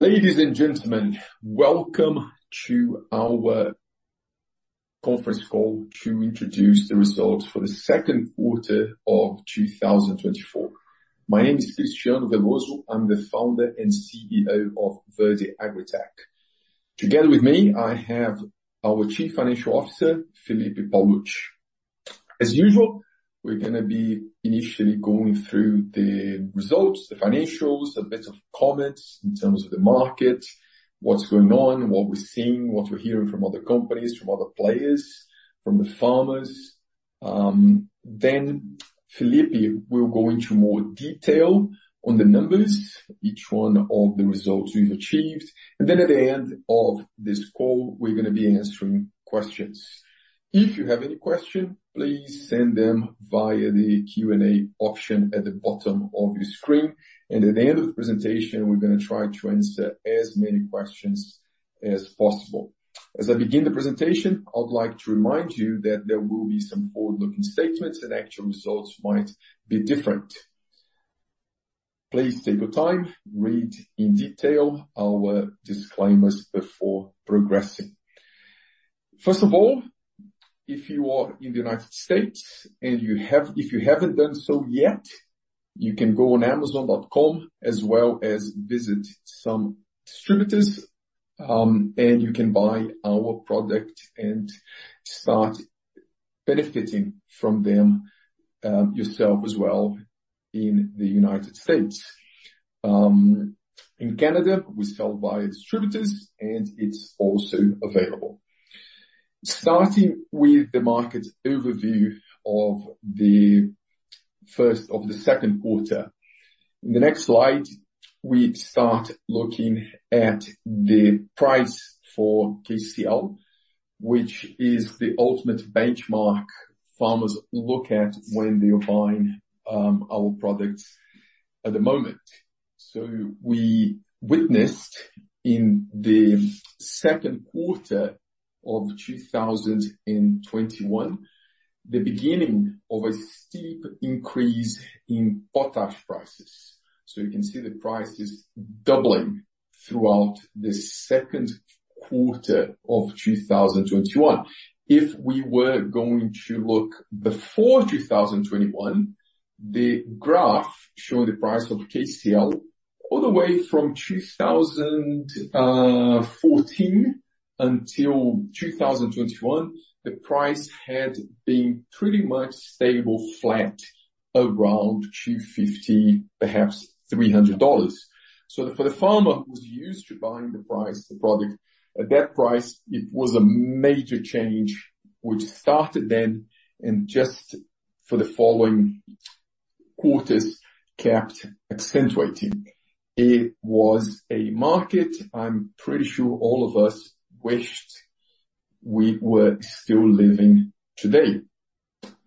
Ladies and gentlemen, welcome to our conference call to introduce the results for the second quarter of two thousand and twenty-four. My name is Cristiano Veloso. I'm the Founder and CEO of Verde Agritech. Together with me, I have our Chief Financial Officer, Felipe Paolucci. As usual, we're gonna be initially going through the results, the financials, a bit of comments in terms of the market, what's going on, what we're seeing, what we're hearing from other companies, from other players, from the farmers. Then Felipe will go into more detail on the numbers, each one of the results we've achieved, and then at the end of this call, we're gonna be answering questions. If you have any question, please send them via the Q&A option at the bottom of your screen, and at the end of the presentation, we're gonna try to answer as many questions as possible. As I begin the presentation, I would like to remind you that there will be some forward-looking statements, and actual results might be different. Please take your time, read in detail our disclaimers before progressing. First of all, if you are in the United States, and if you haven't done so yet, you can go on Amazon.com, as well as visit some distributors, and you can buy our product and start benefiting from them yourself as well in the United States. In Canada, we sell by distributors, and it's also available. Starting with the market overview of the first of the second quarter. In the next slide, we start looking at the price for KCI, which is the ultimate benchmark farmers look at when they are buying our products at the moment. We witnessed in the second quarter of two thousand and twenty-one, the beginning of a steep increase in potash prices. You can see the prices doubling throughout the second quarter of two thousand and twenty-one. If we were going to look before two thousand and twenty-one, the graph shows the price of KCI all the way from two thousand fourteen until two thousand and twenty-one, the price had been pretty much stable, flat, around $250, perhaps $300. For the farmer who's used to buying the price, the product, at that price, it was a major change, which started then and just for the following quarters, kept accentuating. It was a market I'm pretty sure all of us wished we were still living today.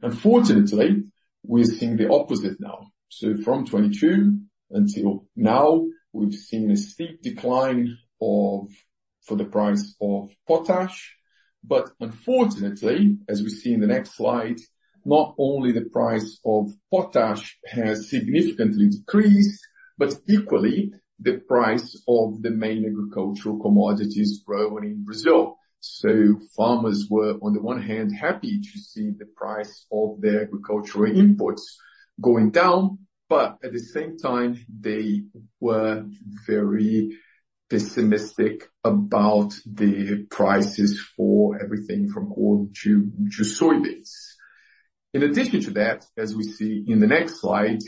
Unfortunately, we're seeing the opposite now. So from 2022 until now, we've seen a steep decline in the price of potash, but unfortunately, as we see in the next slide, not only the price of potash has significantly decreased, but equally, the price of the main agricultural commodities growing in Brazil. Farmers were, on the one hand, happy to see the price of their agricultural imports going down, but at the same time, they were very pessimistic about the prices for everything from corn to soybeans. In addition to that, as we see in the next slide,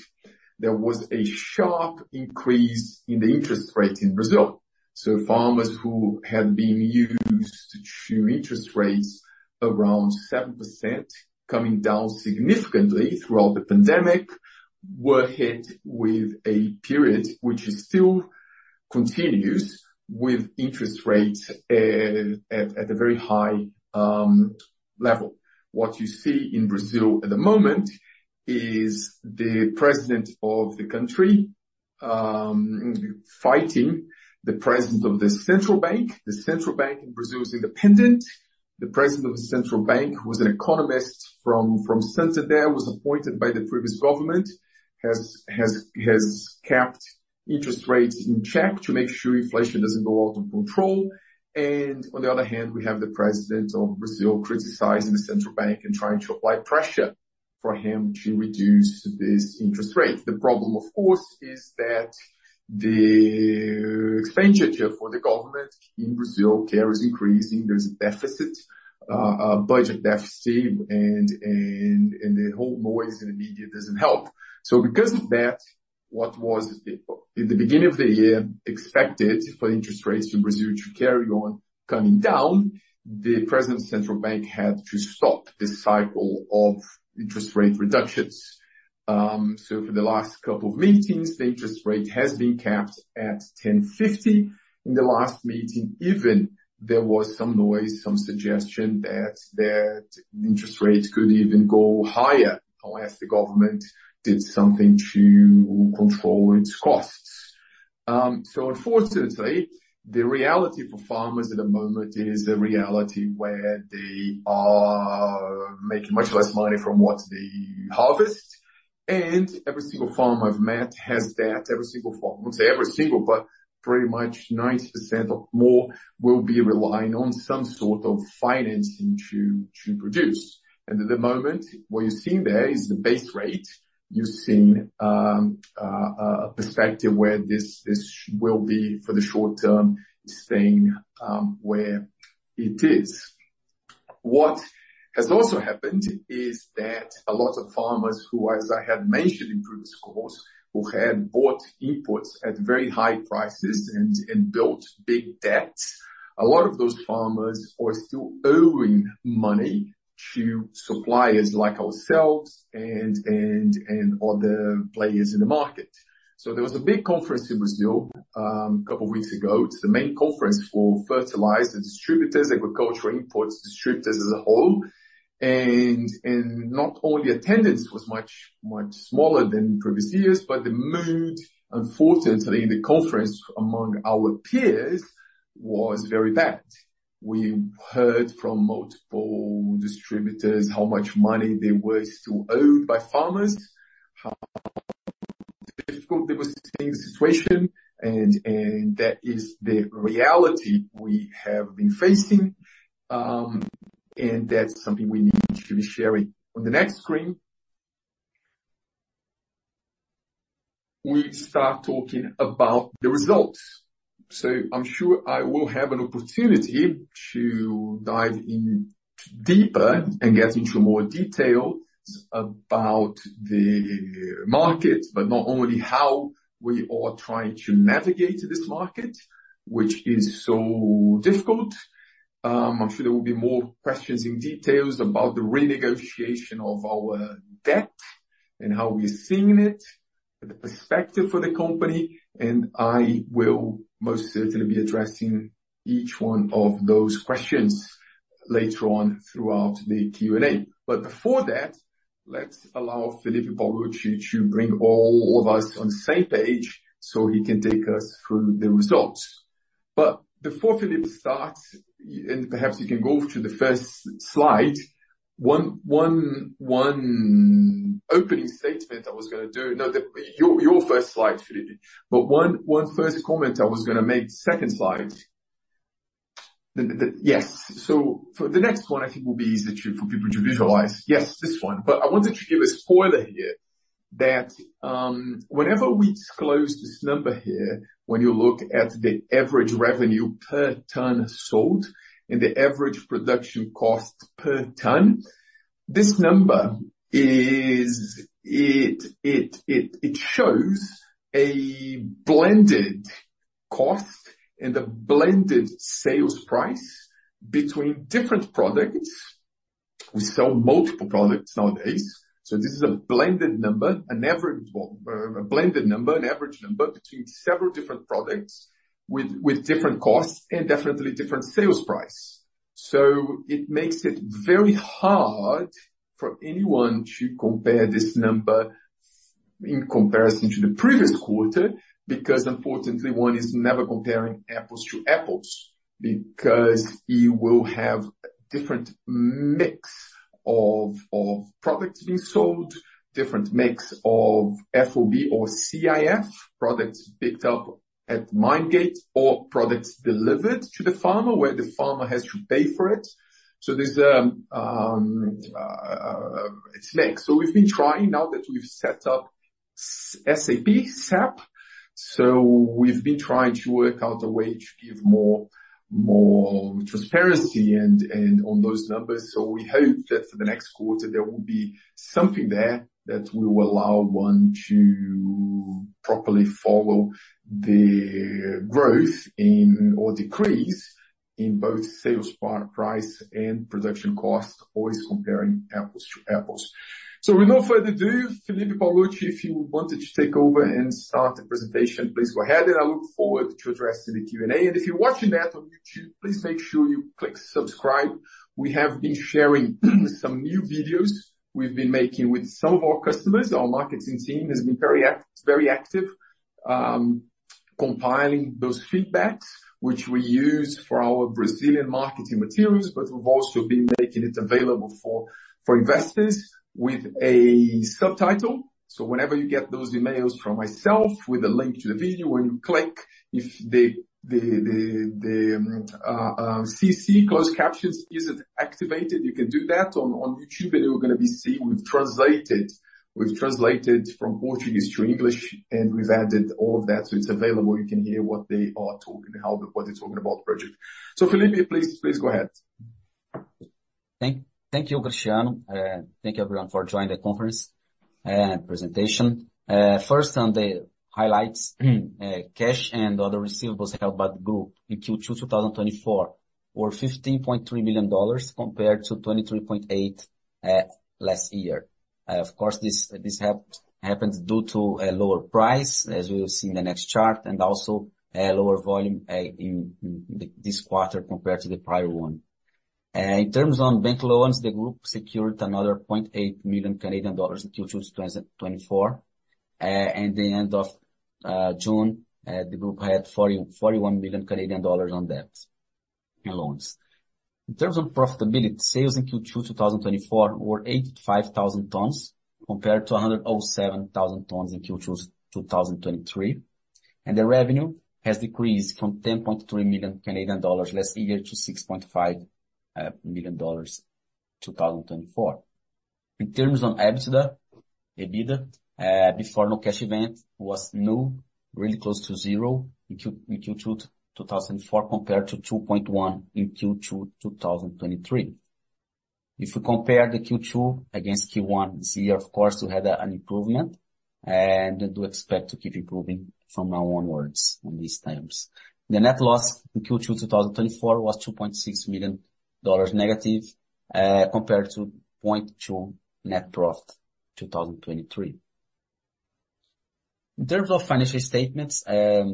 there was a sharp increase in the interest rate in Brazil. Farmers who had been used to interest rates around 7%, coming down significantly throughout the pandemic, were hit with a period which is still continuous, with interest rates at a very high level. What you see in Brazil at the moment is the president of the country fighting the president of the central bank. The central bank in Brazil is independent. The president of the central bank, who is an economist from Santander, was appointed by the previous government, has kept interest rates in check to make sure inflation doesn't go out of control, and on the other hand, we have the president of Brazil criticizing the central bank and trying to apply pressure for him to reduce these interest rates. The problem, of course, is that the expenditure for the government in Brazil is increasing. There's a deficit, a budget deficit, and the whole noise in the media doesn't help. So because of that, what was the... In the beginning of the year, expected for interest rates in Brazil to carry on coming down, the President of the Central Bank had to stop this cycle of interest rate reductions. So for the last couple of meetings, the interest rate has been capped at 10.50%. In the last meeting, even there was some noise, some suggestion that interest rates could even go higher, unless the government did something to control its costs. So unfortunately, the reality for farmers at the moment is a reality where they are making much less money from what they harvest. Every single farmer I've met has that. Every single farmer, I won't say every single, but pretty much 90% or more, will be relying on some sort of financing to produce. And at the moment, what you're seeing there is the base rate. You're seeing a perspective where this will be for the short term, staying where it is. What has also happened is that a lot of farmers who, as I had mentioned in previous calls, who had bought inputs at very high prices and built big debts, a lot of those farmers are still owing money to suppliers like ourselves and other players in the market. So there was a big conference in Brazil a couple of weeks ago. It's the main conference for fertilizer distributors, agricultural inputs, distributors as a whole. And not only attendance was much, much smaller than previous years, but the mood, unfortunately, the conference among our peers was very bad. We heard from multiple distributors how much money they were still owed by farmers, how difficult they were seeing the situation, and that is the reality we have been facing, and that's something we need to be sharing. On the next screen, we start talking about the results. So I'm sure I will have an opportunity to dive in deeper and get into more details about the market, but not only how we are trying to navigate this market, which is so difficult. I'm sure there will be more questions in details about the renegotiation of our debt and how we're seeing it, the perspective for the company, and I will most certainly be addressing each one of those questions later on throughout the Q&A. But before that, let's allow Felipe Paolucci to bring all of us on the same page, so he can take us through the results. But before Felipe starts, and perhaps you can go to the first slide. One opening statement I was gonna do. No, your first slide, Felipe. But one first comment I was gonna make, second slide. The, yes. So for the next one, I think will be easy to, for people to visualize. Yes, this one. But I wanted to give a spoiler here that, whenever we disclose this number here, when you look at the average revenue per ton sold and the average production cost per ton, this number is, it shows a blended cost and a blended sales price between different products. We sell multiple products nowadays, so this is a blended number, an average, a blended number, an average number between several different products with different costs and definitely different sales price. So it makes it very hard for anyone to compare this number in comparison to the previous quarter, because unfortunately, one is never comparing apples to apples, because you will have a different mix of products being sold, different mix of FOB or CIF products picked up at mine gate, or products delivered to the farmer, where the farmer has to pay for it. So it's mixed. So we've been trying, now that we've set up SAP, so we've been trying to work out a way to give more transparency and on those numbers. So we hope that for the next quarter, there will be something there that will allow one to properly follow the growth in or decrease in both sales price and production costs, always comparing apples to apples. So with no further ado, Felipe Paolucci, if you wanted to take over and start the presentation, please go ahead, and I look forward to addressing the Q&A. And if you're watching that on YouTube, please make sure you click subscribe. We have been sharing some new videos we've been making with some of our customers. Our marketing team has been very active compiling those feedbacks, which we use for our Brazilian marketing materials, but we've also been making it available for investors with a subtitle. So whenever you get those emails from myself with a link to the video, when you click, if the CC, closed captions, isn't activated, you can do that on YouTube, and you're gonna be seeing we've translated from Portuguese to English, and we've added all of that. So it's available. You can hear what they're talking about the project. So, Felipe, please go ahead. Thank you, Cristiano. Thank you, everyone, for joining the conference and presentation. First, on the highlights. Cash and other receivables held by the group in Q2 2024 were $15.3 million compared to $23.8 million last year. Of course, this happens due to a lower price, as we'll see in the next chart, and also a lower volume in this quarter compared to the prior one. In terms on bank loans, the group secured another 0.8 million Canadian dollars in Q2 2024. And the end of June, the group had 41 million Canadian dollars on debt and loans. In terms of profitability, sales in Q2 2024 were 85,000 tons, compared to 107,000 tons in Q2 2023, and the revenue has decreased from 10.3 million Canadian dollars last year to 6.5 million dollars in 2024. In terms of EBITDA, EBITDA before non-cash events was nearly close to zero in Q2 2024, compared to 2.1 million in Q2 2023. If we compare Q2 against Q1 this year, of course, we had an improvement, and we do expect to keep improving from now onwards on these terms. The net loss in Q2 2024 was 2.6 million dollars negative, compared to a net profit of CAD 0.2 million in 2023. In terms of financial statements,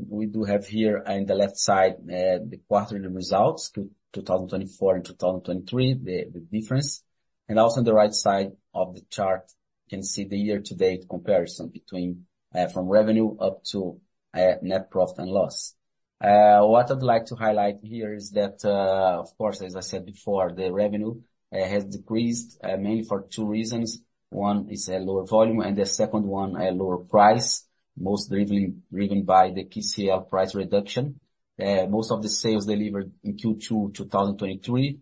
we do have here on the left side, the quarterly results, two thousand and twenty-four and two thousand and twenty-three, the difference, and also on the right side of the chart, you can see the year-to-date comparison between from revenue up to net profit and loss. What I'd like to highlight here is that, of course, as I said before, the revenue has decreased, mainly for two reasons. One is a lower volume, and the second one, a lower price, most driven by the KCL price reduction. Most of the sales delivered in Q2, two thousand and twenty-three,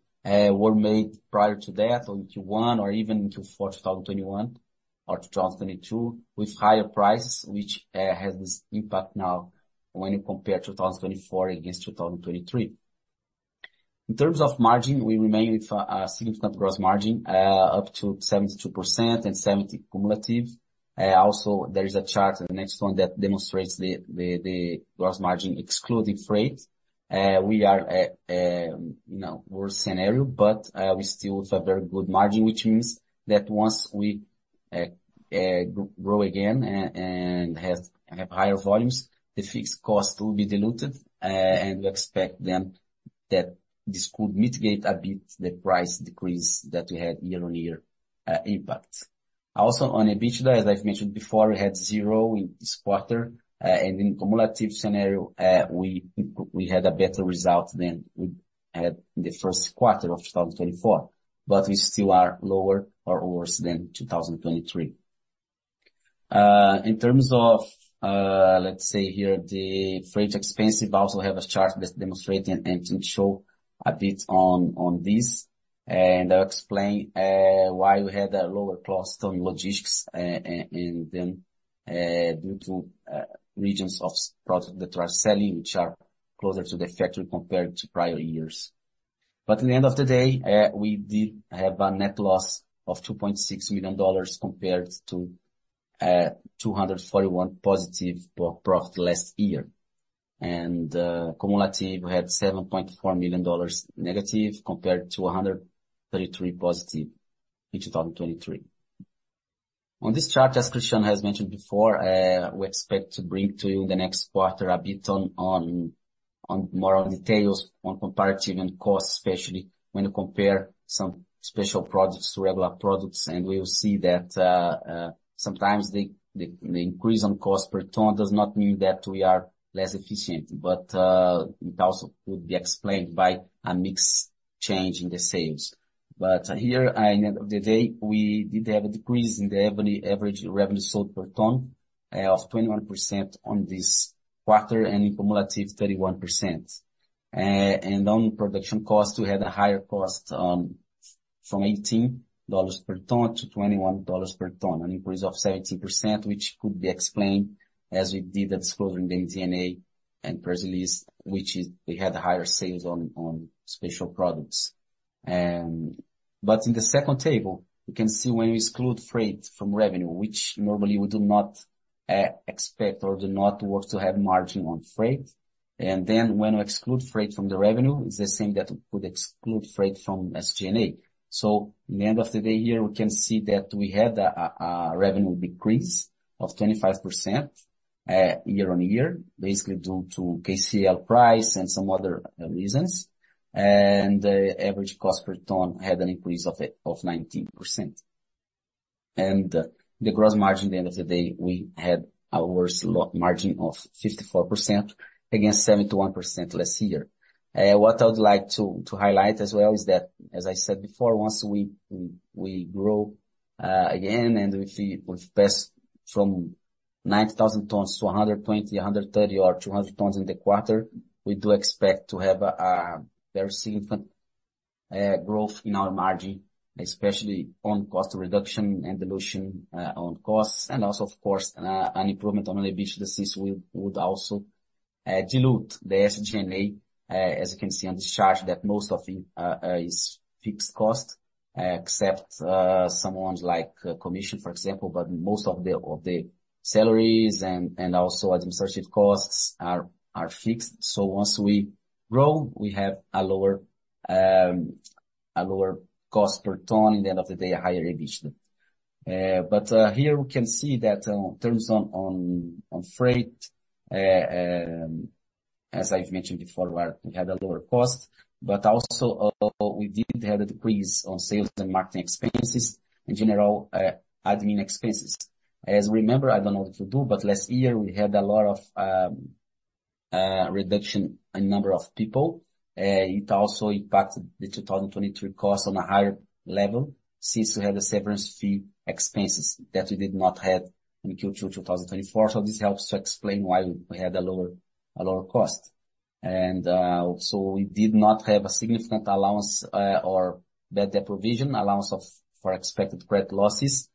were made prior to that in Q1 or even Q4, two thousand and twenty-one or two thousand and twenty-two, with higher prices, which has this impact now when you compare two thousand and twenty-four against two thousand and twenty-three. In terms of margin, we remain with a significant gross margin up to 72% and 70% cumulative. Also, there is a chart, the next one, that demonstrates the gross margin excluding freight. We are at, you know, worse scenario, but we still have a very good margin, which means that once we grow again and have higher volumes, the fixed cost will be diluted, and we expect then that this could mitigate a bit the price decrease that we had year-on-year impact. Also, on EBITDA, as I've mentioned before, we had zero in this quarter. And in cumulative scenario, we had a better result than we had in the first quarter of 2024, but we still are lower or worse than 2023. In terms of, let's say here, the freight expense, we also have a chart that's demonstrating and show a bit on this, and I'll explain why we had a lower cost on logistics and then due to regions of products that we are selling, which are closer to the factory compared to prior years. At the end of the day, we did have a net loss of $2.6 million compared to $241,000 positive profit last year. And cumulative, we had $7.4 million negative, compared to $133,000 positive in 2023. On this chart, as Cristiano has mentioned before, we expect to bring to you the next quarter a bit more on details on comparative and cost, especially when you compare some special products to regular products, and we'll see that sometimes the increase on cost per ton does not mean that we are less efficient, but it also could be explained by a mix change in the sales, but here, at the end of the day, we did have a decrease in the average revenue sold per ton of 21% on this quarter, and in cumulative, 31%. And on production cost, we had a higher cost, from $18-$21 per ton, an increase of 17%, which could be explained, as we did disclose in the MD&A and press release, which is we had higher sales on special products. But in the second table, you can see when you exclude freight from revenue, which normally we do not expect or do not want to have margin on freight. And then when we exclude freight from the revenue, it's the same that we could exclude freight from SG&A. So in the end of the day, here, we can see that we had a revenue decrease of 25%, year on year, basically due to KCL price and some other reasons. And the average cost per ton had an increase of 19%. The gross margin, at the end of the day, we had a worse low-margin of 54% against 71% last year. What I would like to highlight as well is that, as I said before, once we grow again, and if we've passed from 90,000 tons to 120, 130, or 200 tons in the quarter, we do expect to have a very significant growth in our margin, especially on cost reduction and dilution on costs, and also, of course, an improvement on EBITDA. This would also dilute the SG&A, as you can see on this chart, that most of it is fixed cost, except some ones like commission, for example. But most of the salaries and also administrative costs are fixed. So once we grow, we have a lower cost per ton. In the end of the day, a higher EBITDA. But here, we can see that in terms of freight, as I've mentioned before, where we had a lower cost, but also we did have a decrease on sales and marketing expenses, in general, admin expenses. As you remember, I don't know what to do, but last year we had a lot of reduction in number of people. It also impacted the 2023 costs on a higher level since we had the severance fee expenses that we did not have in Q2 2024. This helps to explain why we had a lower cost. We did not have a significant allowance or bad debt provision, allowance for expected credit losses,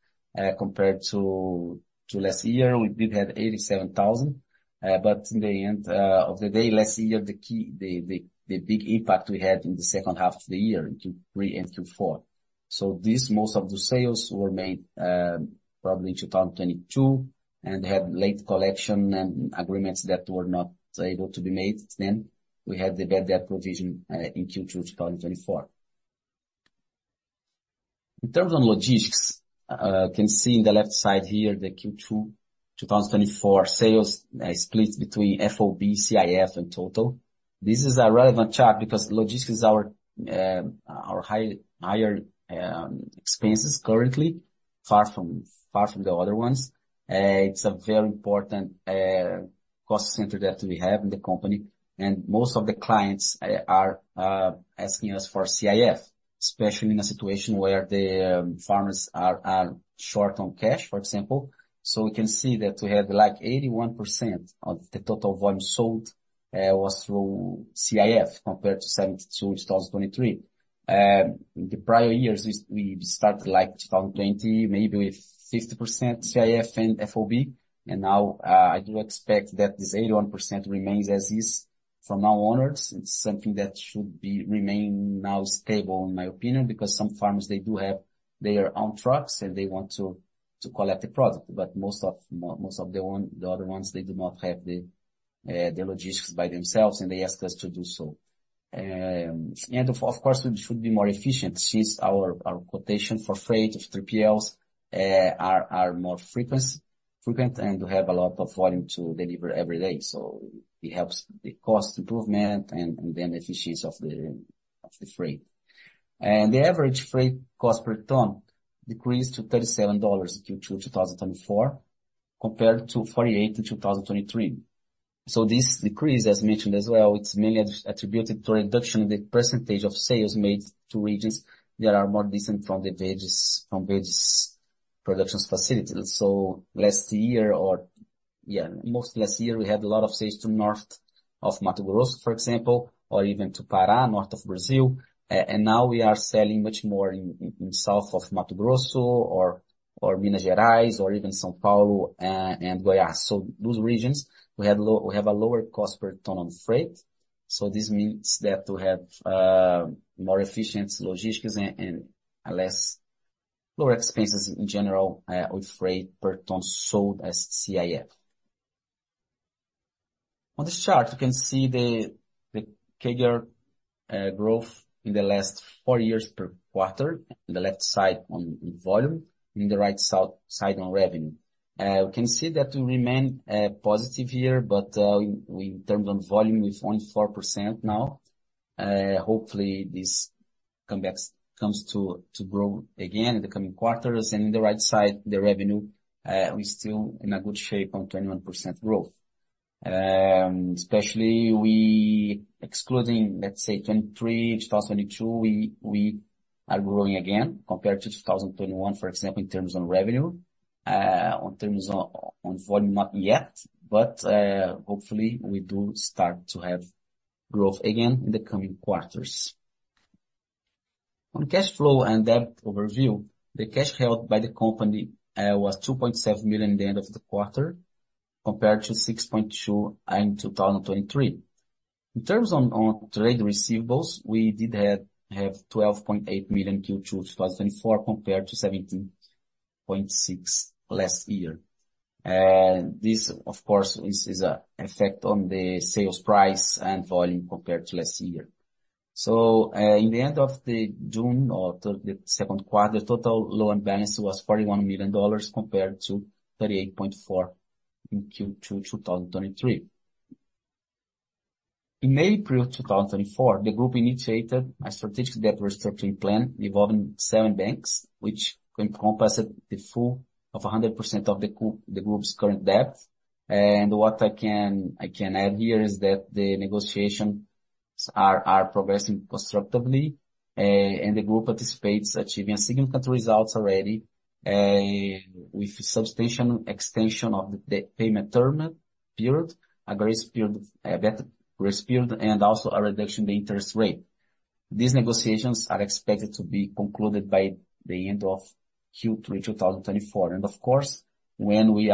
compared to last year. We did have 87,000, but in the end of the day, last year, the key, the big impact we had in the second half of the year, in Q3 and Q4. This, most of the sales were made, probably in 2022, and they had late collection and agreements that were not able to be made then. We had the bad debt provision in Q2 2024. In terms of logistics, can see in the left side here, the Q2 2024 sales splits between FOB, CIF and total. This is a relevant chart because logistics is our, our higher expenses currently, far from the other ones. It's a very important cost center that we have in the company, and most of the clients are asking us for CIF, especially in a situation where the farmers are short on cash, for example. So we can see that we have, like, 81% of the total volume sold was through CIF compared to 72% in 2023. In the prior years, we started, like, 2020, maybe with 50% CIF and FOB, and now I do expect that this 81% remains as is from now onwards. It's something that should remain now stable, in my opinion, because some farmers, they do have their own trucks, and they want to collect the product. But most of the other ones, they do not have the logistics by themselves, and they ask us to do so. Of course, we should be more efficient since our quotation for freight of three PLs are more frequent, and we have a lot of volume to deliver every day, so it helps the cost improvement and the efficiency of the freight. The average freight cost per ton decreased to $37 in Q2 2024, compared to $48 in 2023. This decrease, as mentioned as well, it's mainly attributed to a reduction in the percentage of sales made to regions that are more distant from the Verde's production facilities. Last year, most last year, we had a lot of sales to north of Mato Grosso, for example, or even to Pará, north of Brazil. And now we are selling much more in south of Mato Grosso or Minas Gerais or even São Paulo and Goiás. Those regions, we have a lower cost per ton on freight, so this means that we have more efficient logistics and a lower expenses in general with freight per ton sold as CIF. On this chart, you can see the CAGR growth in the last four years per quarter, on the left side on volume, in the right side on revenue. We can see that we remain positive here, but in terms of volume, we're 0.4% now. Hopefully, this comeback comes to grow again in the coming quarters. In the right side, the revenue, we still in a good shape on 21% growth. Especially, excluding, let's say, 2023, 2022, we are growing again compared to 2021, for example, in terms of revenue. In terms of volume, not yet, but hopefully, we do start to have growth again in the coming quarters. On cash flow and debt overview, the cash held by the company was $2.7 million at the end of the quarter, compared to $6.2 million in 2023. In terms of trade receivables, we did have $12.8 million, Q2 2024, compared to $17.6 million last year. And this, of course, is an effect on the sales price and volume compared to last year. So, in the end of June or the second quarter, total loan balance was $41 million compared to $38.4 million in Q2 2023. In April 2024, the group initiated a strategic debt restructuring plan involving seven banks, which encompassed the full 100% of the group's current debt. What I can add here is that the negotiations are progressing constructively, and the group anticipates achieving significant results already with substantial extension of the repayment term period, a grace period, better grace period, and also a reduction in the interest rate. These negotiations are expected to be concluded by the end of Q3, two thousand and twenty-four. Of course, when we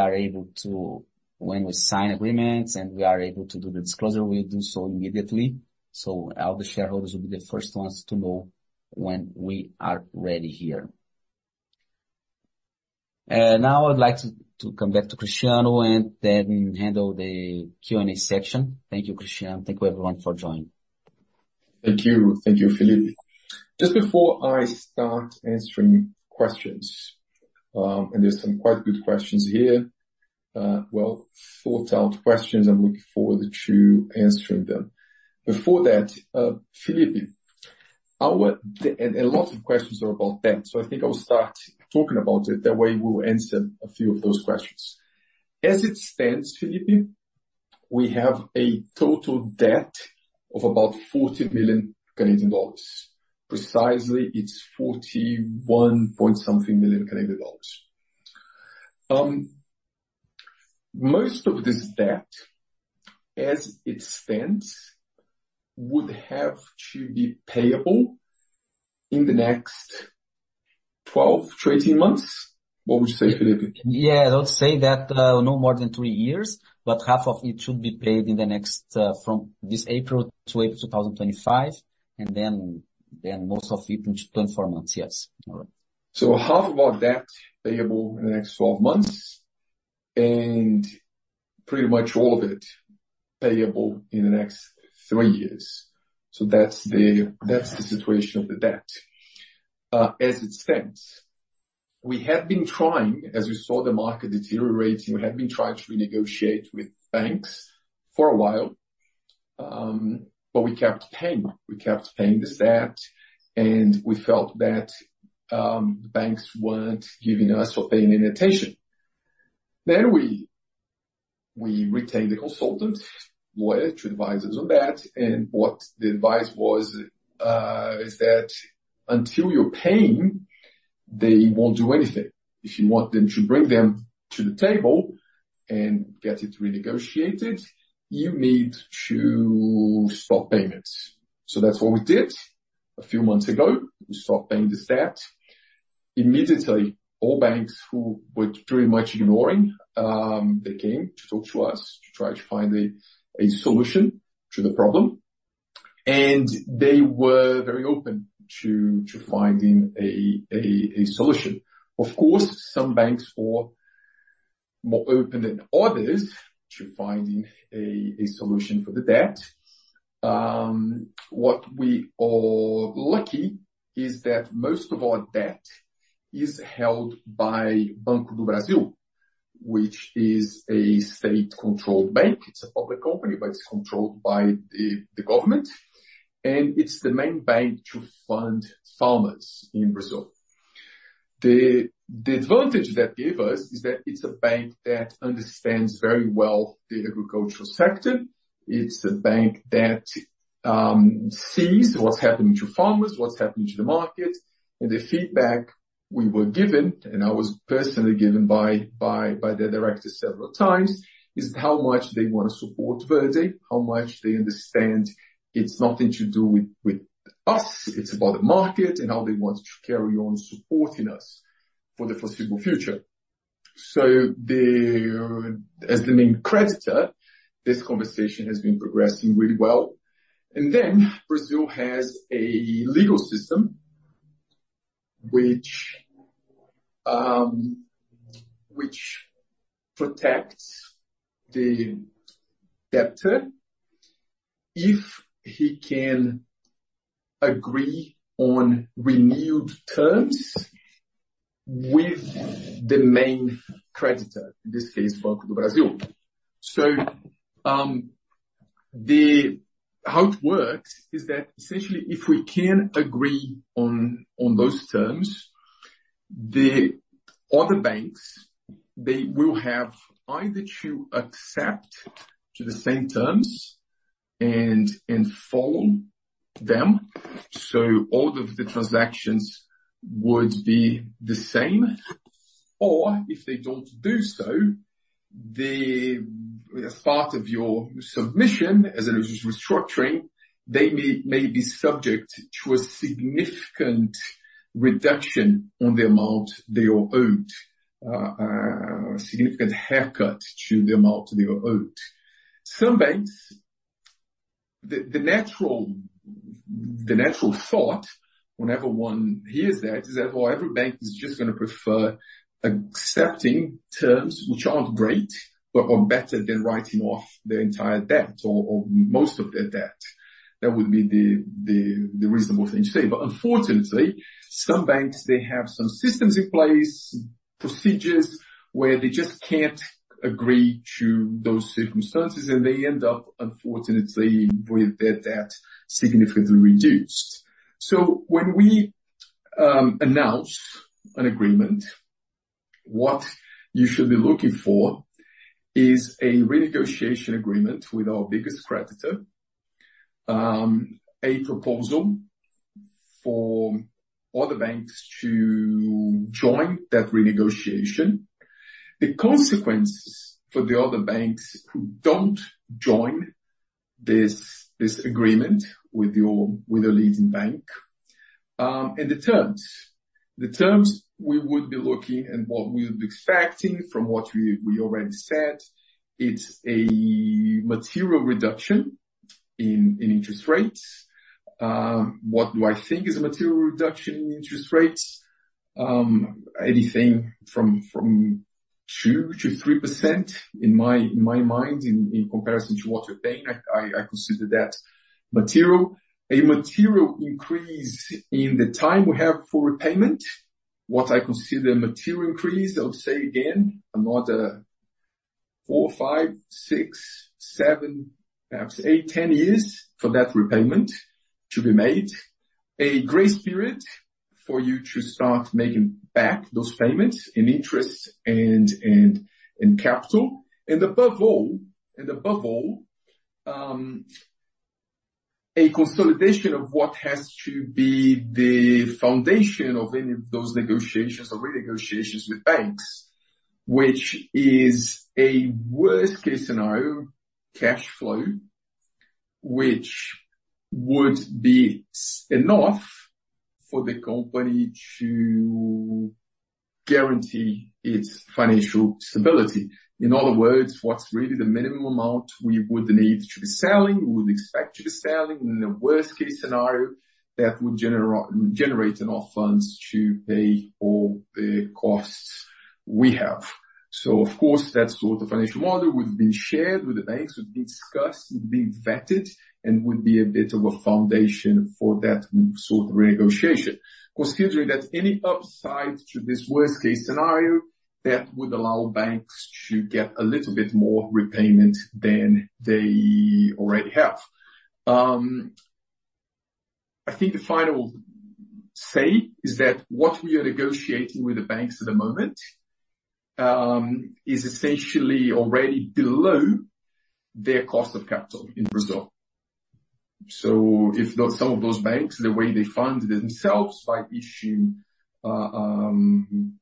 sign agreements, and we are able to do the disclosure, we'll do so immediately. So all the shareholders will be the first ones to know when we are ready here. Now I'd like to come back to Cristiano and then handle the Q&A section. Thank you, Cristiano. Thank you, everyone, for joining. Thank you. Thank you, Felipe. Just before I start answering questions, and there's some quite good questions here.... well thought out questions. I'm looking forward to answering them. Before that, Felipe, and a lot of questions are about that, so I think I will start talking about it, that way we'll answer a few of those questions. As it stands, Felipe, we have a total debt of about 40 million Canadian dollars. Precisely, it's 41 point something million CAD. Most of this debt, as it stands, would have to be payable in the next 12-18 months. What would you say, Felipe? Yeah, I would say that no more than three years, but half of it should be paid in the next from this April to April 2025, and then most of it in 24 months. Yes. All right, so half of our debt payable in the next 12 months, and pretty much all of it payable in the next three years, so that's the situation of the debt as it stands. We have been trying, as we saw the market deteriorating, to negotiate with banks for a while, but we kept paying the debt, and we felt that the banks weren't giving us or paying any attention. Then we retained a consultant, lawyer, to advise us on that, and what the advice was is that until you're paying, they won't do anything. If you want them to bring them to the table and get it renegotiated, you need to stop payments, so that's what we did a few months ago. We stopped paying the debt. Immediately, all banks who were pretty much ignoring, they came to talk to us to try to find a solution to the problem, and they were very open to finding a solution. Of course, some banks were more open than others to finding a solution for the debt. What we are lucky is that most of our debt is held by Banco do Brasil, which is a state-controlled bank. It's a public company, but it's controlled by the government, and it's the main bank to fund farmers in Brazil. The advantage that gave us is that it's a bank that understands very well the agricultural sector. It's a bank that sees what's happening to farmers, what's happening to the market, and the feedback we were given, and I was personally given by their director several times, is how much they want to support Verde, how much they understand it's nothing to do with us, it's about the market and how they want to carry on supporting us for the foreseeable future. So as the main creditor, this conversation has been progressing really well. And then Brazil has a legal system which protects the debtor if he can agree on renewed terms with the main creditor, in this case, Banco do Brasil. So, the... How it works is that, essentially, if we can agree on those terms, the other banks, they will have either to accept the same terms and follow them, so all of the transactions would be the same, or if they don't do so, the part of your submission as a restructuring, they may be subject to a significant reduction on the amount they are owed, significant haircut to the amount they are owed. Some banks, the natural thought whenever one hears that, is that, well, every bank is just gonna prefer accepting terms which aren't great, but are better than writing off their entire debt or most of their debt. That would be the reasonable thing to say. But unfortunately, some banks, they have some systems in place, procedures, where they just can't agree to those circumstances, and they end up, unfortunately, with their debt significantly reduced. When we announce an agreement, what you should be looking for is a renegotiation agreement with our biggest creditor, a proposal for other banks to join that renegotiation. The consequences for the other banks who don't join this agreement with your leading bank, and the terms. The terms we would be looking and what we'll be expecting from what we already said, it's a material reduction in interest rates. What do I think is a material reduction in interest rates? Anything from 2%-3%, in my mind, in comparison to what we're paying, I consider that material. A material increase in the time we have for repayment. What I consider a material increase, I would say again, four, five, six, seven, perhaps eight, ten years for that repayment to be made. A grace period for you to start making back those payments in interest and capital, and above all, a consolidation of what has to be the foundation of any of those negotiations or renegotiations with banks, which is a worst-case scenario, cash flow, which would be enough for the company to guarantee its financial stability. In other words, what's really the minimum amount we would need to be selling, we would expect to be selling in a worst-case scenario that would generate enough funds to pay all the costs we have. So of course, that's what the financial model would have been shared with the banks, would be discussed, would be vetted, and would be a bit of a foundation for that sort of negotiation. Considering that any upside to this worst-case scenario, that would allow banks to get a little bit more repayment than they already have. I think the final say is that what we are negotiating with the banks at the moment is essentially already below their cost of capital in Brazil. So if those some of those banks the way they fund themselves by issuing certain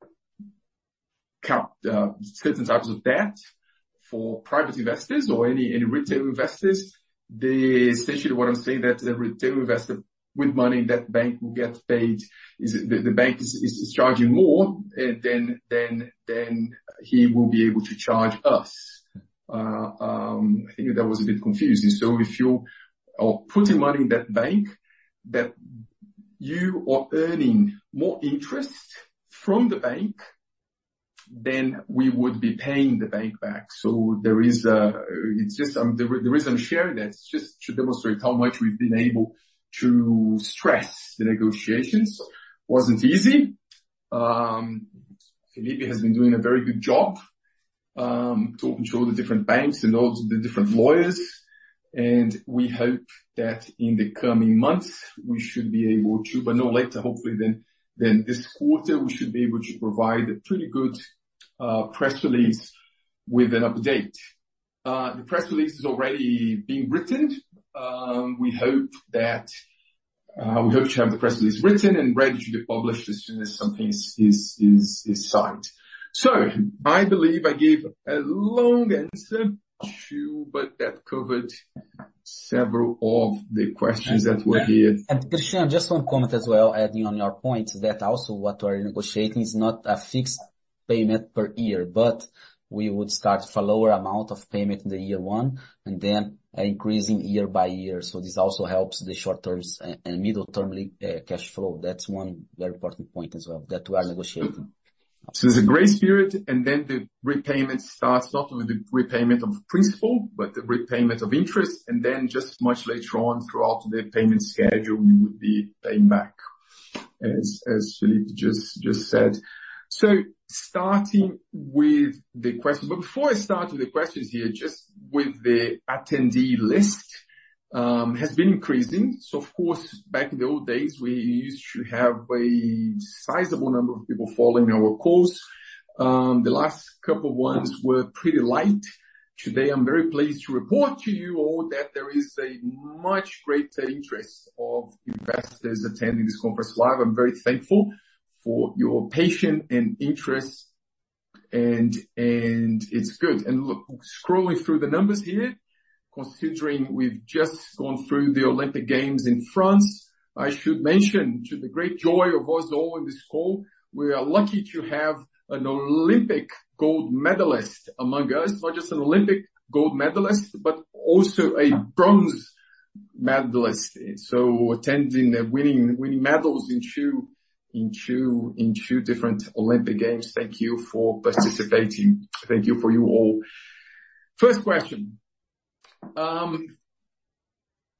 types of debt for private investors or any retail investors they essentially what I'm saying that the retail investor with money that bank will get paid is the bank is charging more than he will be able to charge us. I think that was a bit confusing. If you are putting money in that bank that you are earning more interest from the bank than we would be paying the bank back. There is it's just the reason I'm sharing this just to demonstrate how much we've been able to stress the negotiations. Wasn't easy. Felipe has been doing a very good job, talking to all the different banks and all the different lawyers, and we hope that in the coming months, we should be able to, but no later, hopefully, than this quarter, we should be able to provide a pretty good press release with an update. The press release is already being written. We hope that we hope to have the press release written and ready to be published as soon as something is signed. So I believe I gave a long answer to, but that covered several of the questions that were here. Cristiano, just one comment as well, adding on your point, that also what we're negotiating is not a fixed payment per year, but we would start with a lower amount of payment in the year one, and then increasing year by year. So this also helps the short-term and middle-term cash flow. That's one very important point as well, that we are negotiating. So there's a grace period, and then the repayment starts off with the repayment of principal, but the repayment of interest, and then just much later on, throughout the payment schedule, we would be paying back, as Felipe just said. Starting with the questions, but before I start with the questions here, just with the attendee list has been increasing. Of course, back in the old days, we used to have a sizable number of people following our calls. The last couple ones were pretty light. Today, I'm very pleased to report to you all that there is a much greater interest of investors attending this conference live. I'm very thankful for your patience and interest, and it's good. Look, scrolling through the numbers here, considering we've just gone through the Olympic Games in France, I should mention, to the great joy of us all in this call, we are lucky to have an Olympic gold medalist among us. Not just an Olympic gold medalist, but also a bronze medalist. Attending and winning medals in two different Olympic Games. Thank you for participating. Thank you for you all. First question, and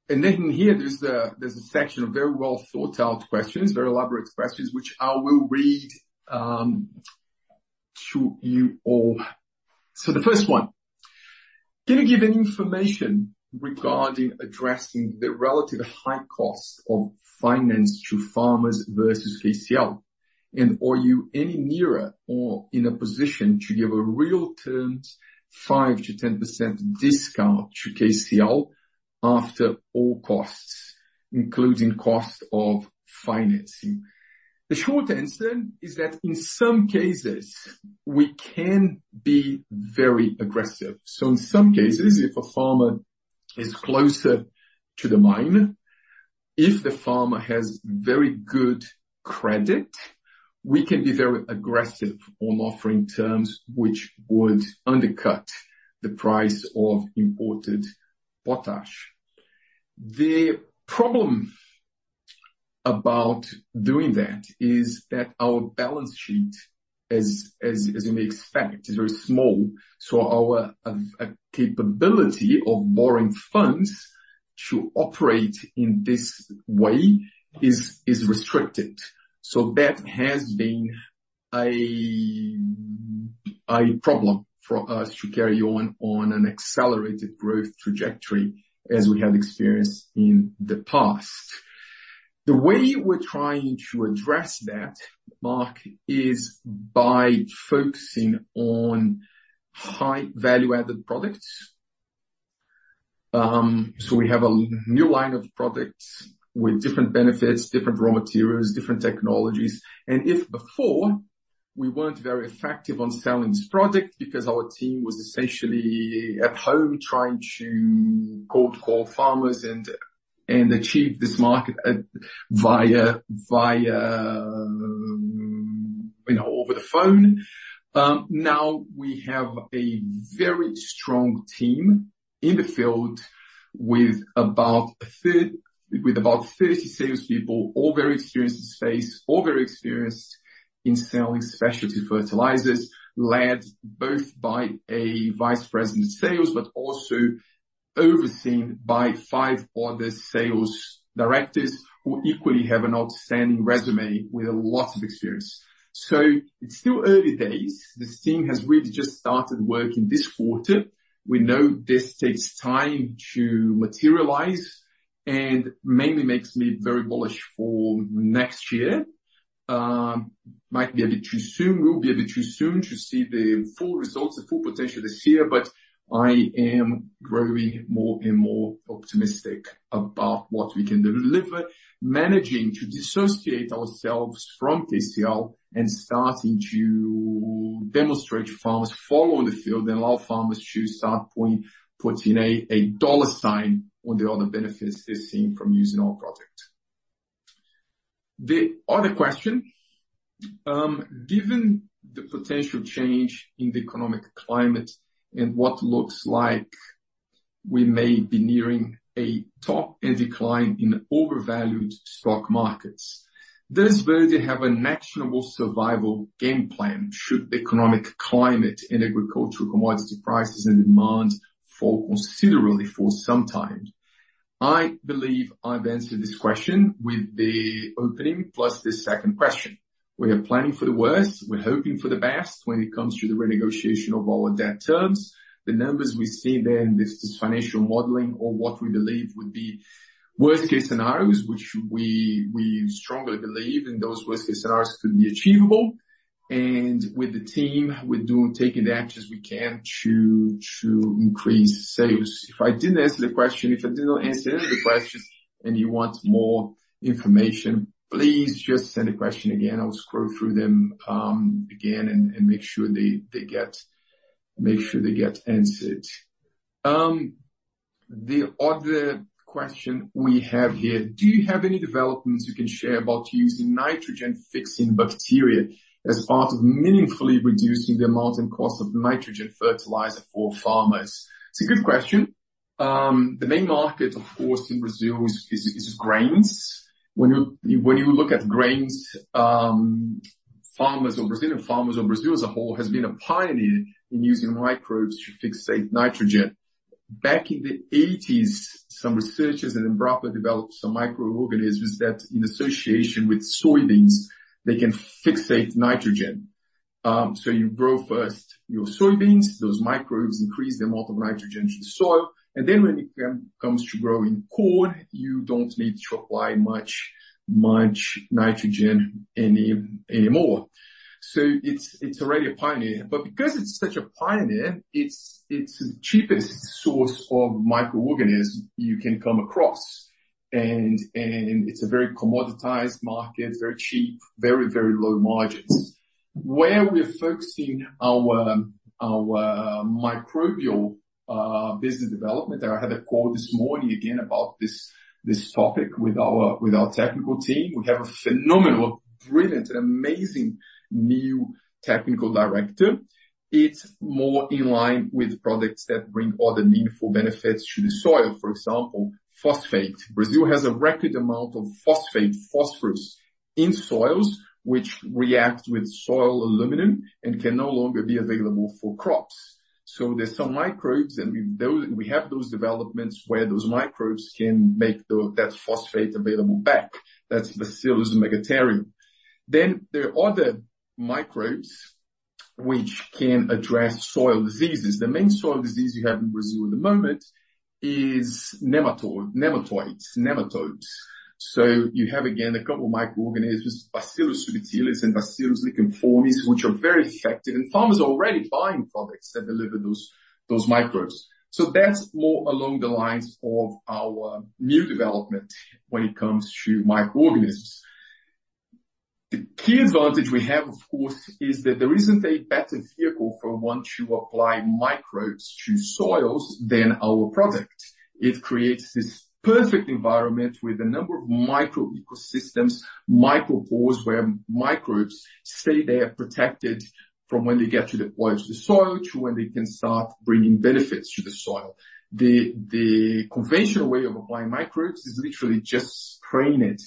then in here, there's a section of very well thought out questions, very elaborate questions, which I will read to you all. The first one: Can you give any information regarding addressing the relative high cost of finance to farmers versus KCL? Are you any nearer or in a position to give a real terms, 5%-10% discount to KCL after all costs, including cost of financing? The short answer is that in some cases, we can be very aggressive. So in some cases, if a farmer is closer to the mine, if the farmer has very good credit, we can be very aggressive on offering terms which would undercut the price of imported potash. The problem about doing that is that our balance sheet, as you may expect, is very small, so our capability of borrowing funds to operate in this way is restricted. So that has been a problem for us to carry on an accelerated growth trajectory as we have experienced in the past. The way we're trying to address that, Mark, is by focusing on high value-added products. So we have a new line of products with different benefits, different raw materials, different technologies, and if before we weren't very effective on selling this product, because our team was essentially at home trying to cold call farmers and achieve this market via you know, over the phone. Now we have a very strong team in the field with about 30 salespeople, all very experienced in space, all very experienced in selling specialty fertilizers, led both by a vice president of sales, but also overseen by 5 other sales directors who equally have an outstanding résumé with a lot of experience. So it's still early days. This team has really just started working this quarter. We know this takes time to materialize and mainly makes me very bullish for next year. Might be a bit too soon, will be a bit too soon to see the full results, the full potential this year, but I am growing more and more optimistic about what we can deliver, managing to dissociate ourselves from KCl and starting to demonstrate to farmers in the field, and allow farmers to start putting a dollar sign on the other benefits they're seeing from using our product. The other question, given the potential change in the economic climate and what looks like we may be nearing a top and decline in overvalued stock markets, does Verde have an actionable survival game plan should the economic climate and agricultural commodity prices and demand fall considerably for some time? I believe I've answered this question with the opening, plus the second question. We are planning for the worst. We're hoping for the best when it comes to the renegotiation of our debt terms. The numbers we see there in this financial modeling or what we believe would be worst case scenarios, which we strongly believe, and those worst case scenarios could be achievable, and with the team, we're taking the actions we can to increase sales. If I didn't answer the question, if I did not answer any of the questions and you want more information, please just send the question again. I'll scroll through them again, and make sure they get answered. The other question we have here: Do you have any developments you can share about using nitrogen-fixing bacteria as part of meaningfully reducing the amount and cost of nitrogen fertilizer for farmers? It's a good question. The main market, of course, in Brazil is grains. When you look at grains, Brazilian farmers or Brazil as a whole has been a pioneer in using microbes to fixate nitrogen. Back in the eighties, some researchers in Embrapa developed some microorganisms that in association with soybeans, they can fixate nitrogen. So you grow first your soybeans, those microbes increase the amount of nitrogen to the soil, and then when it comes to growing corn, you don't need to apply much nitrogen anymore. So it's already a pioneer, but because it's such a pioneer, it's the cheapest source of microorganisms you can come across. And it's a very commoditized market, very cheap, very low margins. Where we're focusing our microbial business development, I had a call this morning again about this topic with our technical team. We have a phenomenal, brilliant, and amazing new technical director. It's more in line with products that bring other meaningful benefits to the soil. For example, phosphate. Brazil has a record amount of phosphate, phosphorus in soils, which react with soil aluminum and can no longer be available for crops. So there's some microbes, and we have those developments where those microbes can make that phosphate available back. That's Bacillus megaterium. Then there are other microbes which can address soil diseases. The main soil disease you have in Brazil at the moment is nematodes. So you have, again, a couple microorganisms, Bacillus subtilis and Bacillus licheniformis, which are very effective, and farmers are already buying products that deliver those, those microbes. So that's more along the lines of our new development when it comes to microorganisms. The key advantage we have, of course, is that there isn't a better vehicle for one to apply microbes to soils than our product. It creates this perfect environment with a number of micro ecosystems, micro pores, where microbes stay there, protected from when they get to deployed to the soil, to when they can start bringing benefits to the soil. The conventional way of applying microbes is literally just spraying it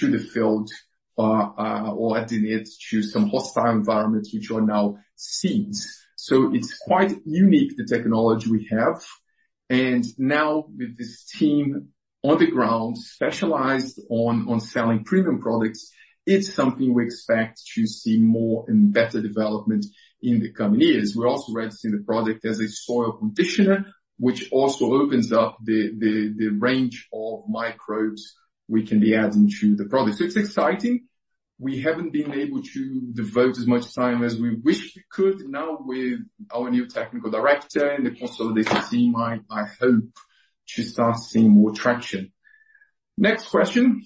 to the field, or adding it to some hostile environments, which are now seeds. So it's quite unique, the technology we have. Now with this team on the ground, specialized on selling premium products, it's something we expect to see more and better development in the coming years. We're also registering the product as a soil conditioner, which also opens up the range of microbes we can be adding to the product. It's exciting. We haven't been able to devote as much time as we wish we could. Now, with our new technical director and also this team, I hope to start seeing more traction. Next question: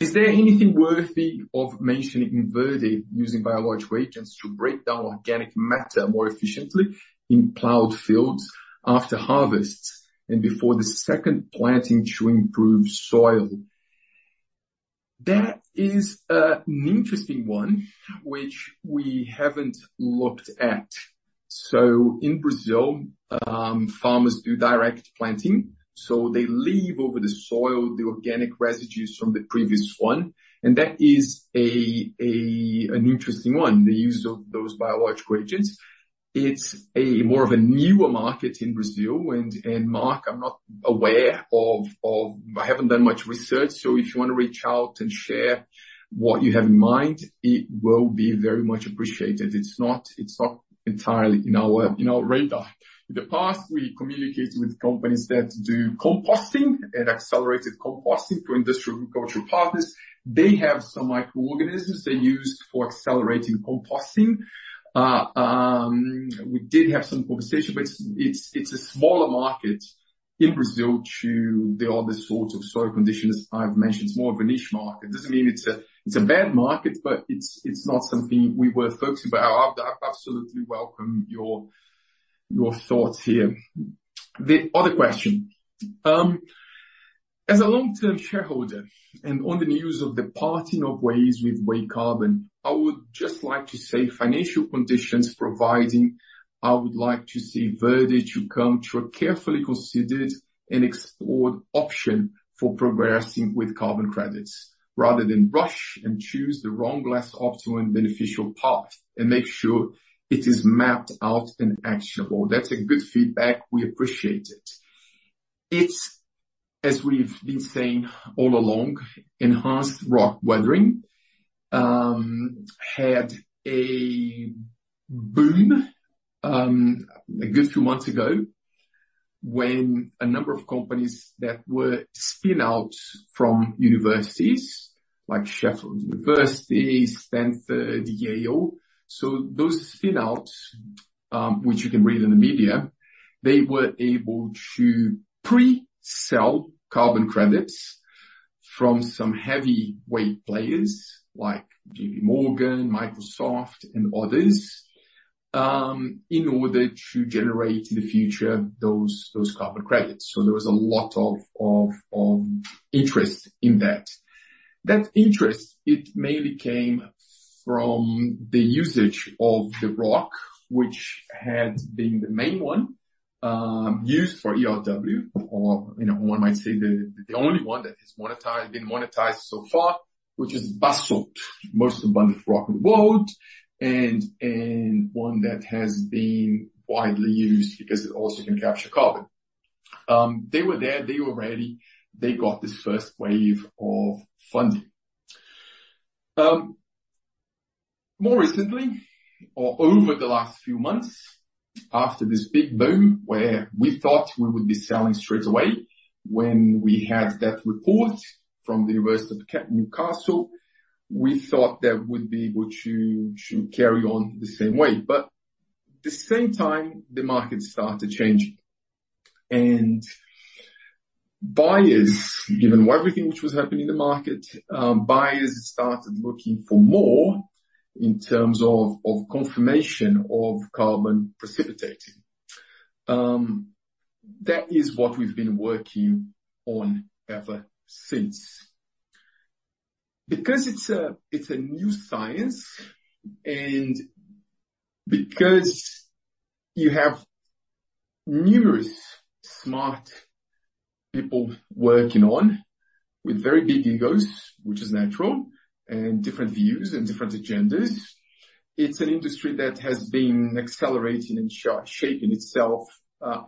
Is there anything worthy of mentioning in Verde using biological agents to break down organic matter more efficiently in plowed fields after harvest and before the second planting to improve soil? That is an interesting one, which we haven't looked at. So in Brazil, farmers do direct planting, so they leave over the soil the organic residues from the previous one, and that is an interesting one, the use of those biological agents. It's more of a newer market in Brazil. And Mark, I'm not aware of. I haven't done much research, so if you want to reach out and share what you have in mind, it will be very much appreciated. It's not entirely in our radar. In the past, we communicated with companies that do composting and accelerated composting for industrial and agricultural partners. They have some microorganisms they use for accelerating composting. We did have some conversation, but it's a smaller market in Brazil to the other sorts of soil conditions I've mentioned. It's more of a niche market. It doesn't mean it's a bad market, but it's not something we were focusing about. I'd absolutely welcome your thoughts here. The other question, as a long-term shareholder and on the news of the parting of ways with WayCarbon, I would just like to say financial conditions providing, I would like to see Verde to come to a carefully considered and explored option for progressing with carbon credits, rather than rush and choose the wrong, less optimal and beneficial path, and make sure it is mapped out and actionable. That's a good feedback. We appreciate it. It's as we've been saying all along, enhanced rock weathering had a boom a good few months ago, when a number of companies that were spin-outs from universities, like Sheffield University, Stanford, Yale. So those spin-outs, which you can read in the media, they were able to pre-sell carbon credits from some heavyweight players like J.P. Morgan, Microsoft, and others, in order to generate the future, those carbon credits. So there was a lot of interest in that. That interest, it mainly came from the usage of the rock, which had been the main one, used for ERW, or, you know, one might say the only one that is monetized, been monetized so far, which is basalt, most abundant rock in the world, and one that has been widely used because it also can capture carbon. They were there, they were ready, they got this first wave of funding. More recently, or over the last few months, after this big boom, where we thought we would be selling straight away, when we had that report from the Newcastle University, we thought that we'd be able to carry on the same way. But at the same time, the market started changing. And buyers, given everything which was happening in the market, buyers started looking for more in terms of confirmation of carbon precipitating. That is what we've been working on ever since. Because it's a new science, and because you have numerous smart people working on with very big egos, which is natural, and different views and different agendas, it's an industry that has been accelerating and shaping itself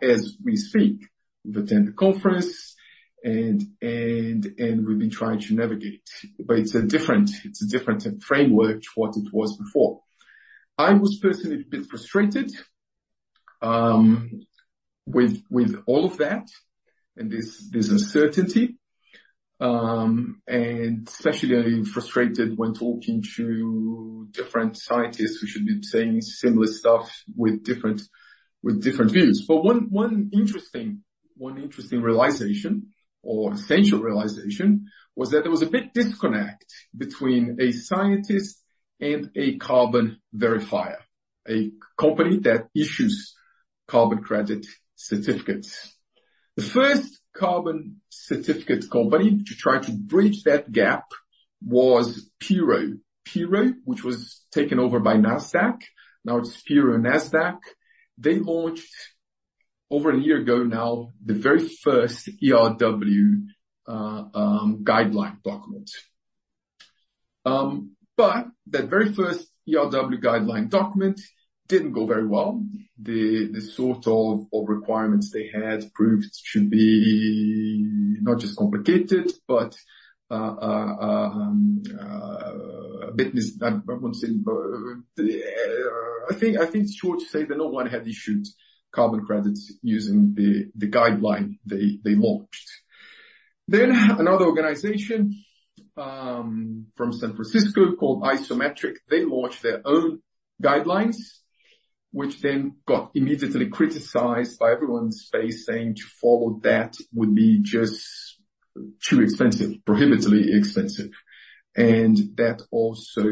as we speak. We've attended conference and we've been trying to navigate, but it's a different framework to what it was before. I was personally a bit frustrated with all of that, and this uncertainty, and especially frustrated when talking to different scientists who should be saying similar stuff with different views. But one interesting realization or essential realization was that there was a big disconnect between a scientist and a carbon verifier, a company that issues carbon credit certificates. The first carbon certificate company to try to bridge that gap was Puro. Puro, which was taken over by Nasdaq, now it's Puro Nasdaq. They launched over a year ago now the very first ERW guideline document. But that very first ERW guideline document didn't go very well. The sort of requirements they had proved to be not just complicated, but a bit. I won't say, but I think it's safe to say that no one had issued carbon credits using the guideline they launched. Then another organization from San Francisco called Isometric, they launched their own guidelines, which then got immediately criticized by everyone in space, saying to follow that would be just too expensive, prohibitively expensive. And that also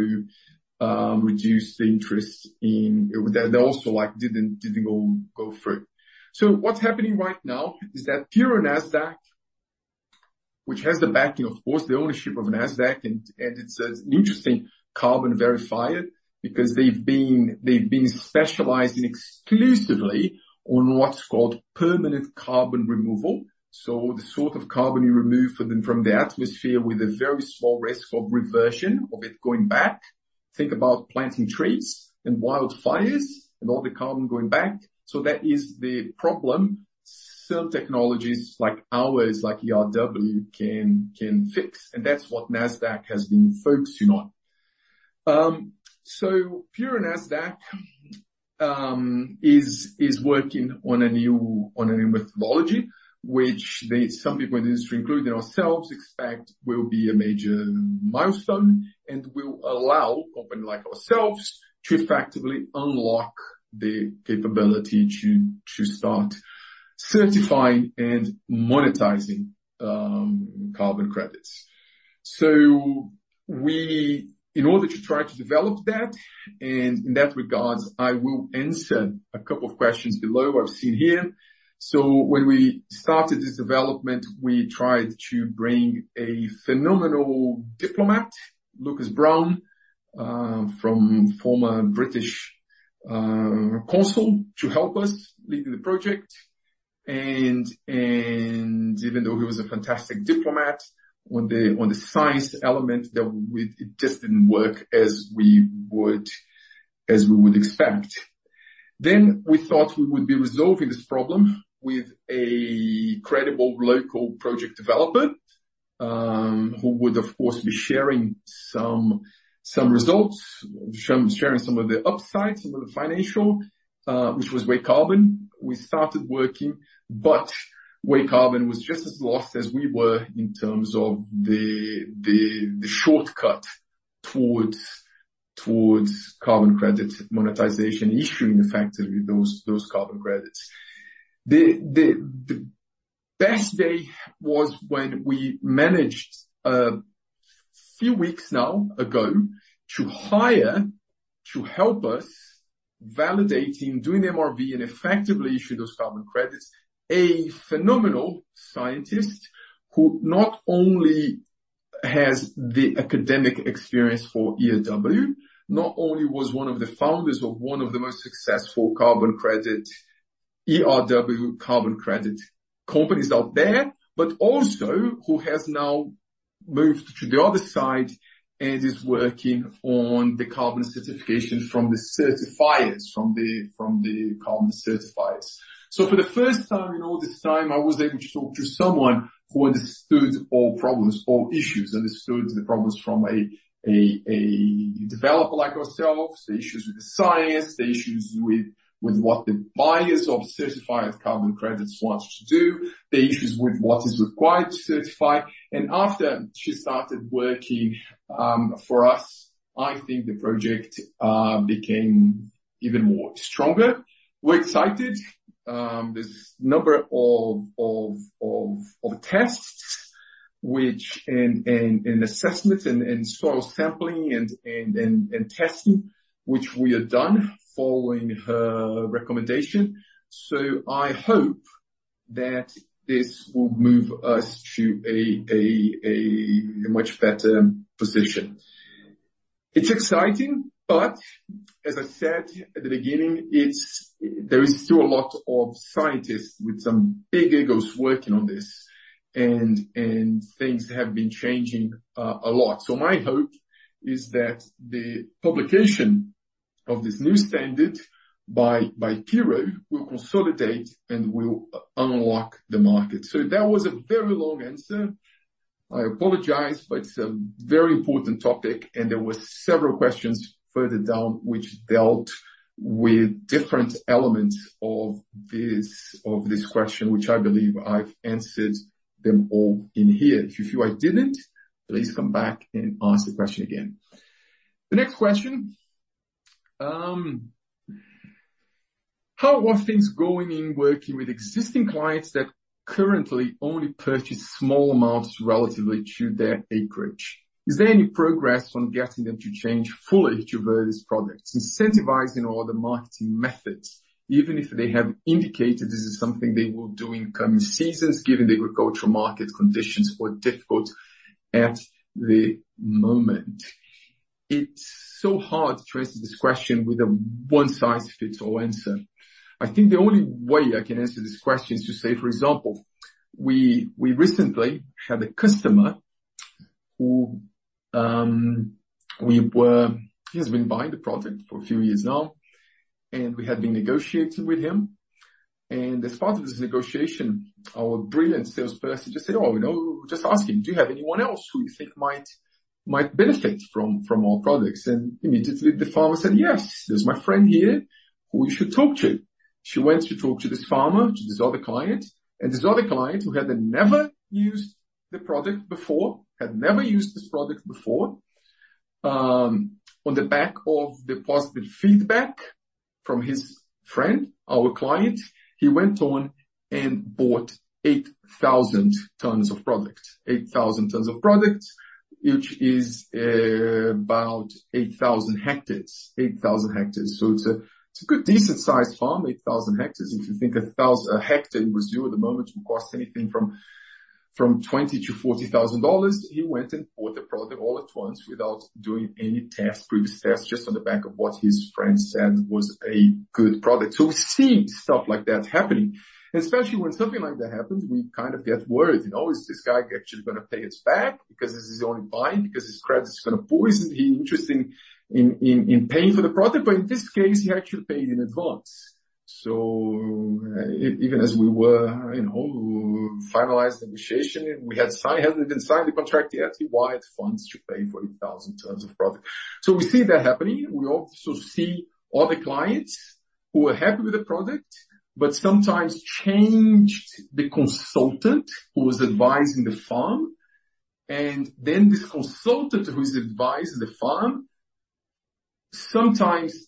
reduced the interest in. That also, like, didn't go through. So what's happening right now is that Puro.earth, which has the backing, of course, the ownership of Nasdaq, and it's an interesting carbon verifier, because they've been specializing exclusively on what's called permanent carbon removal. The sort of carbon you remove from the atmosphere with a very small risk of reversion of it going back, think about planting trees and wildfires and all the carbon going back. That is the problem. Some technologies, like ours, like ERW, can fix, and that's what Nasdaq has been focusing on. Puro.earth is working on a new methodology, which they, some people in the industry, including ourselves, expect will be a major milestone and will allow companies like ourselves to effectively unlock the capability to start certifying and monetizing carbon credits. We, in order to try to develop that, and in that regards, I will answer a couple of questions below what I've seen here. When we started this development, we tried to bring a phenomenal diplomat, Lucas Brown, from former British consul, to help us lead the project. Even though he was a fantastic diplomat on the science element, it just didn't work as we would expect. We thought we would be resolving this problem with a credible local project developer, who would, of course, be sharing some results, sharing some of the upsides, some of the financial, which was WayCarbon. We started working, but WayCarbon was just as lost as we were in terms of the shortcut towards carbon credit monetization, issuing effectively those carbon credits. The best day was when we managed a few weeks ago to hire to help us validating, doing MRV and effectively issue those carbon credits, a phenomenal scientist who not only has the academic experience for ERW, not only was one of the founders of one of the most successful carbon credit, ERW carbon credit companies out there, but also who has now moved to the other side and is working on the carbon certification from the certifiers, from the carbon certifiers. For the first time, in all this time, I was able to talk to someone who understood all problems, all issues, understood the problems from a developer like ourselves, the issues with the science, the issues with what the buyers of certified carbon credits want us to do, the issues with what is required to certify. And after she started working for us, I think the project became even more stronger. We're excited. There's a number of tests and assessments and testing, which we are done following her recommendation. So I hope that this will move us to a much better position. It's exciting, but as I said at the beginning, it's there is still a lot of scientists with some big egos working on this, and things have been changing a lot. So my hope is that the publication of this new standard by Puro will consolidate and will unlock the market. So that was a very long answer. I apologize, but it's a very important topic, and there were several questions further down, which dealt with different elements of this question, which I believe I've answered them all in here. If you feel I didn't, please come back and ask the question again. The next question: How are things going in working with existing clients that currently only purchase small amounts relatively to their acreage? Is there any progress on getting them to change fully to various products, incentivizing all the marketing methods, even if they have indicated this is something they will do in coming seasons, given the agricultural market conditions were difficult at the moment? It's so hard to answer this question with a one-size-fits-all answer. I think the only way I can answer this question is to say, for example-... We recently had a customer who has been buying the product for a few years now, and we had been negotiating with him. And as part of this negotiation, our brilliant salesperson just said, "Oh, you know, just ask him, do you have anyone else who you think might benefit from our products?" And immediately the farmer said, "Yes, there's my friend here who you should talk to." She went to talk to this farmer, to this other client, and this other client, who had never used the product before. On the back of the positive feedback from his friend, our client, he went on and bought 8,000 tons of product. 8,000 tons of product, which is about 8,000 hectares. It's a good, decent sized farm, 8,000 hectares. If you think a hectare in Brazil at the moment will cost anything from $20,000-$40,000. He went and bought the product all at once without doing any previous test, just on the back of what his friend said was a good product. So we've seen stuff like that happening, and especially when something like that happens, we kind of get worried. You know, is this guy actually gonna pay us back? Because he's only buying because his credit is gonna poison. He's interested in paying for the product, but in this case, he actually paid in advance. So even as we were, you know, finalizing negotiation, and we hadn't even signed the contract yet, he wired funds to pay for 8,000 tons of product. So we see that happening. We also see other clients who are happy with the product, but sometimes change the consultant who is advising the farm, and then this consultant who is advising the farm, sometimes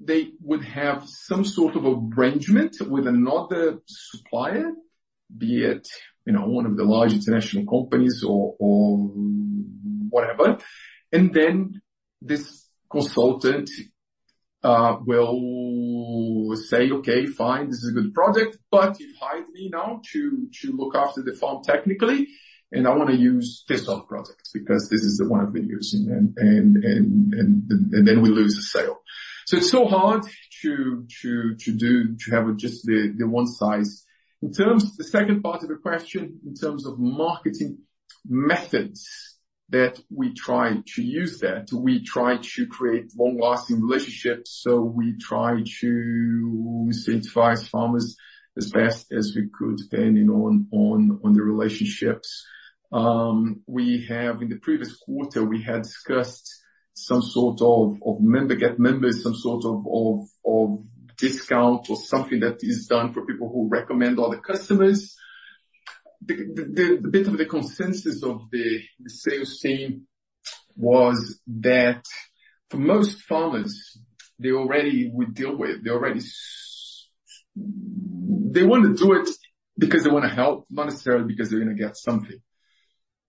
they would have some sort of arrangement with another supplier, be it, you know, one of the large international companies or whatever. And then this consultant will say, "Okay, fine, this is a good product, but you hired me now to look after the farm technically, and I want to use this other product because this is the one I've been using," and then we lose a sale. So it's so hard to have just the one size. In terms of the second part of the question, in terms of marketing methods that we try to use, we try to create long-lasting relationships, so we try to satisfy farmers as best as we could, depending on the relationships. We have, in the previous quarter, we had discussed some sort of member get members, some sort of discount or something that is done for people who recommend other customers. The bit of the consensus of the sales team was that for most farmers, they already would deal with, they want to do it because they want to help, not necessarily because they're going to get something.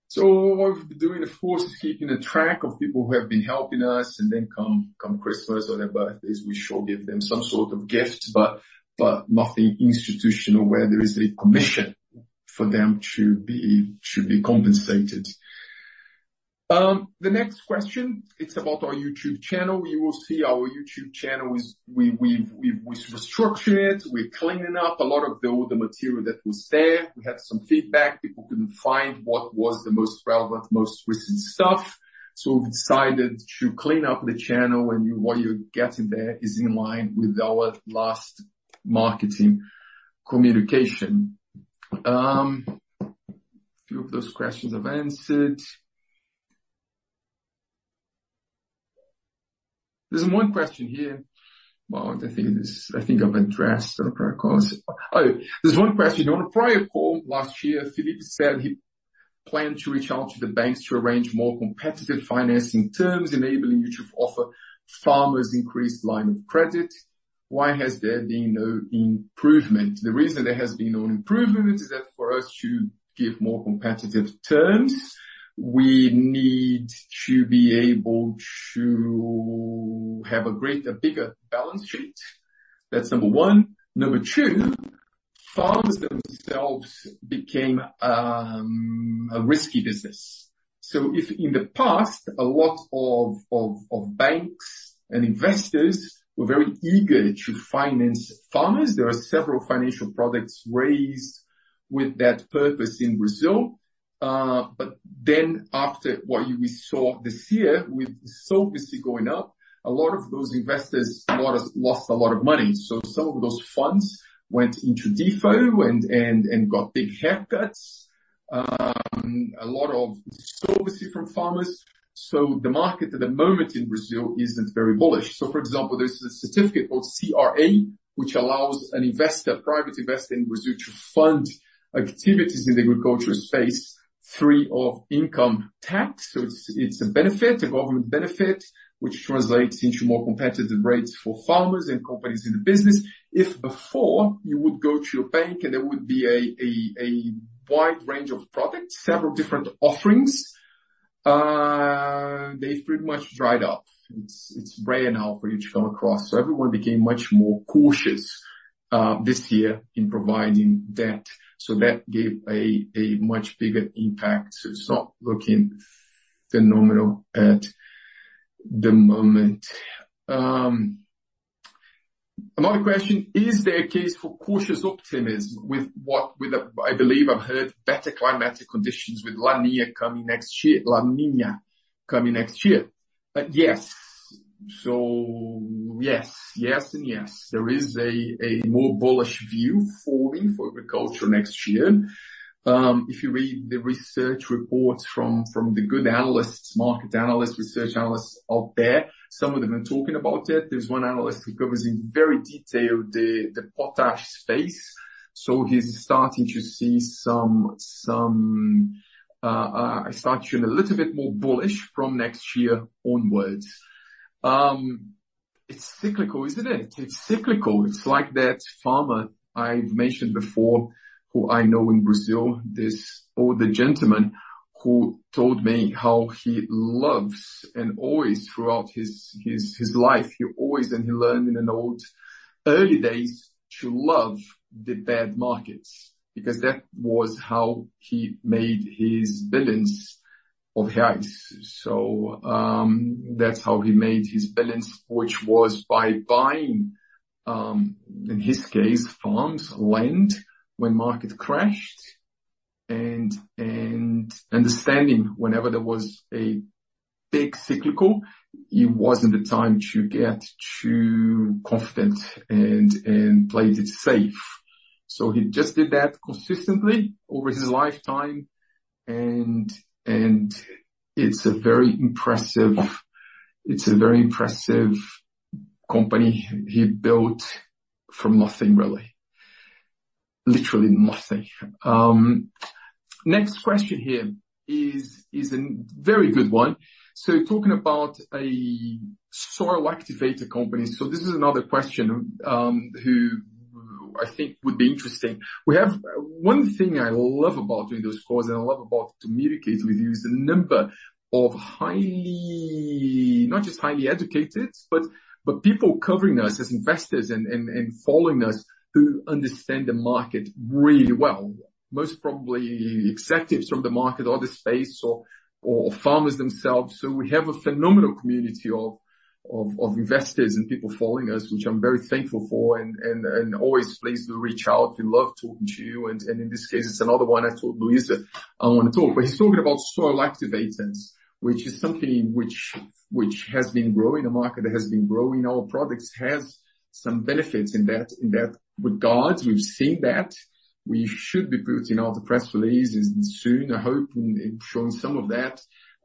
So what we've been doing, of course, is keeping a track of people who have been helping us, and then come Christmas or their birthdays, we sure give them some sort of gift, but nothing institutional, where there is a commission for them to be compensated. The next question, it's about our YouTube channel. You will see our YouTube channel is. We've restructured it. We're cleaning up a lot of the material that was there. We had some feedback. People couldn't find what was the most relevant, most recent stuff, so we've decided to clean up the channel and you what you're getting there is in line with our last marketing communication. A few of those questions I've answered. There's one question here. Well, I think this I've addressed on our calls. Oh, there's one question. On a prior call last year, Felipe said he planned to reach out to the banks to arrange more competitive financing terms, enabling you to offer farmers increased line of credit. Why has there been no improvement? The reason there has been no improvement is that for us to give more competitive terms, we need to be able to have a greater, bigger balance sheet. That's number one. Number two, farmers themselves became a risky business. So if in the past, a lot of banks and investors were very eager to finance farmers, there are several financial products raised with that purpose in Brazil. But then after what we saw this year, with insolvency going up, a lot of those investors lost a lot of money. So some of those funds went into default and got big haircuts. A lot of ininsolvency from farmers. So the market at the moment in Brazil isn't very bullish. So, for example, there's a certificate called CRA, which allows an investor, private investor in Brazil, to fund activities in the agriculture space, free of income tax. So it's a benefit, a government benefit, which translates into more competitive rates for farmers and companies in the business. If before you would go to a bank and there would be a wide range of products, several different offerings, they've pretty much dried up. It's rare now for you to come across. So everyone became much more cautious this year in providing that. So that gave a much bigger impact. So it's not looking phenomenal at the moment. Another question: Is there a case for cautious optimism with what, with the, I believe I've heard better climatic conditions with La Niña coming next year, La Niña coming next year? But yes. So yes. Yes, and yes. There is a more bullish view forming for agriculture next year. If you read the research reports from the good analysts, market analysts, research analysts out there, some of them are talking about it. There's one analyst who covers in very detail the potash space. So he's starting to see some starting a little bit more bullish from next year onwards. It's cyclical, isn't it? It's cyclical. It's like that farmer I've mentioned before, who I know in Brazil, this older gentleman who told me how he loves, and always throughout his life, he learned in the early days to love the bad markets, because that was how he made his billions of reais. So, that's how he made his billions, which was by buying, in his case, farms, land, when market crashed and understanding whenever there was a big cyclical, it wasn't the time to get too confident and played it safe. So he just did that consistently over his lifetime, and it's a very impressive company he built from nothing, really. Literally nothing. Next question here is a very good one. So talking about a soil activator company. This is another question, who I think would be interesting. One thing I love about doing those calls, and I love about to communicate with you, is the number of highly not just highly educated, but people covering us as investors and following us, who understand the market really well. Most probably executives from the market or the space or farmers themselves. We have a phenomenal community of investors and people following us, which I'm very thankful for, and always pleased to reach out. We love talking to you, and in this case, it's another one I told Luiz that I want to talk. But he's talking about soil activators, which is something which has been growing, a market that has been growing. Our products have some benefits in that regard, we've seen that. We should be putting out the press releases soon. I hope, in showing some of that,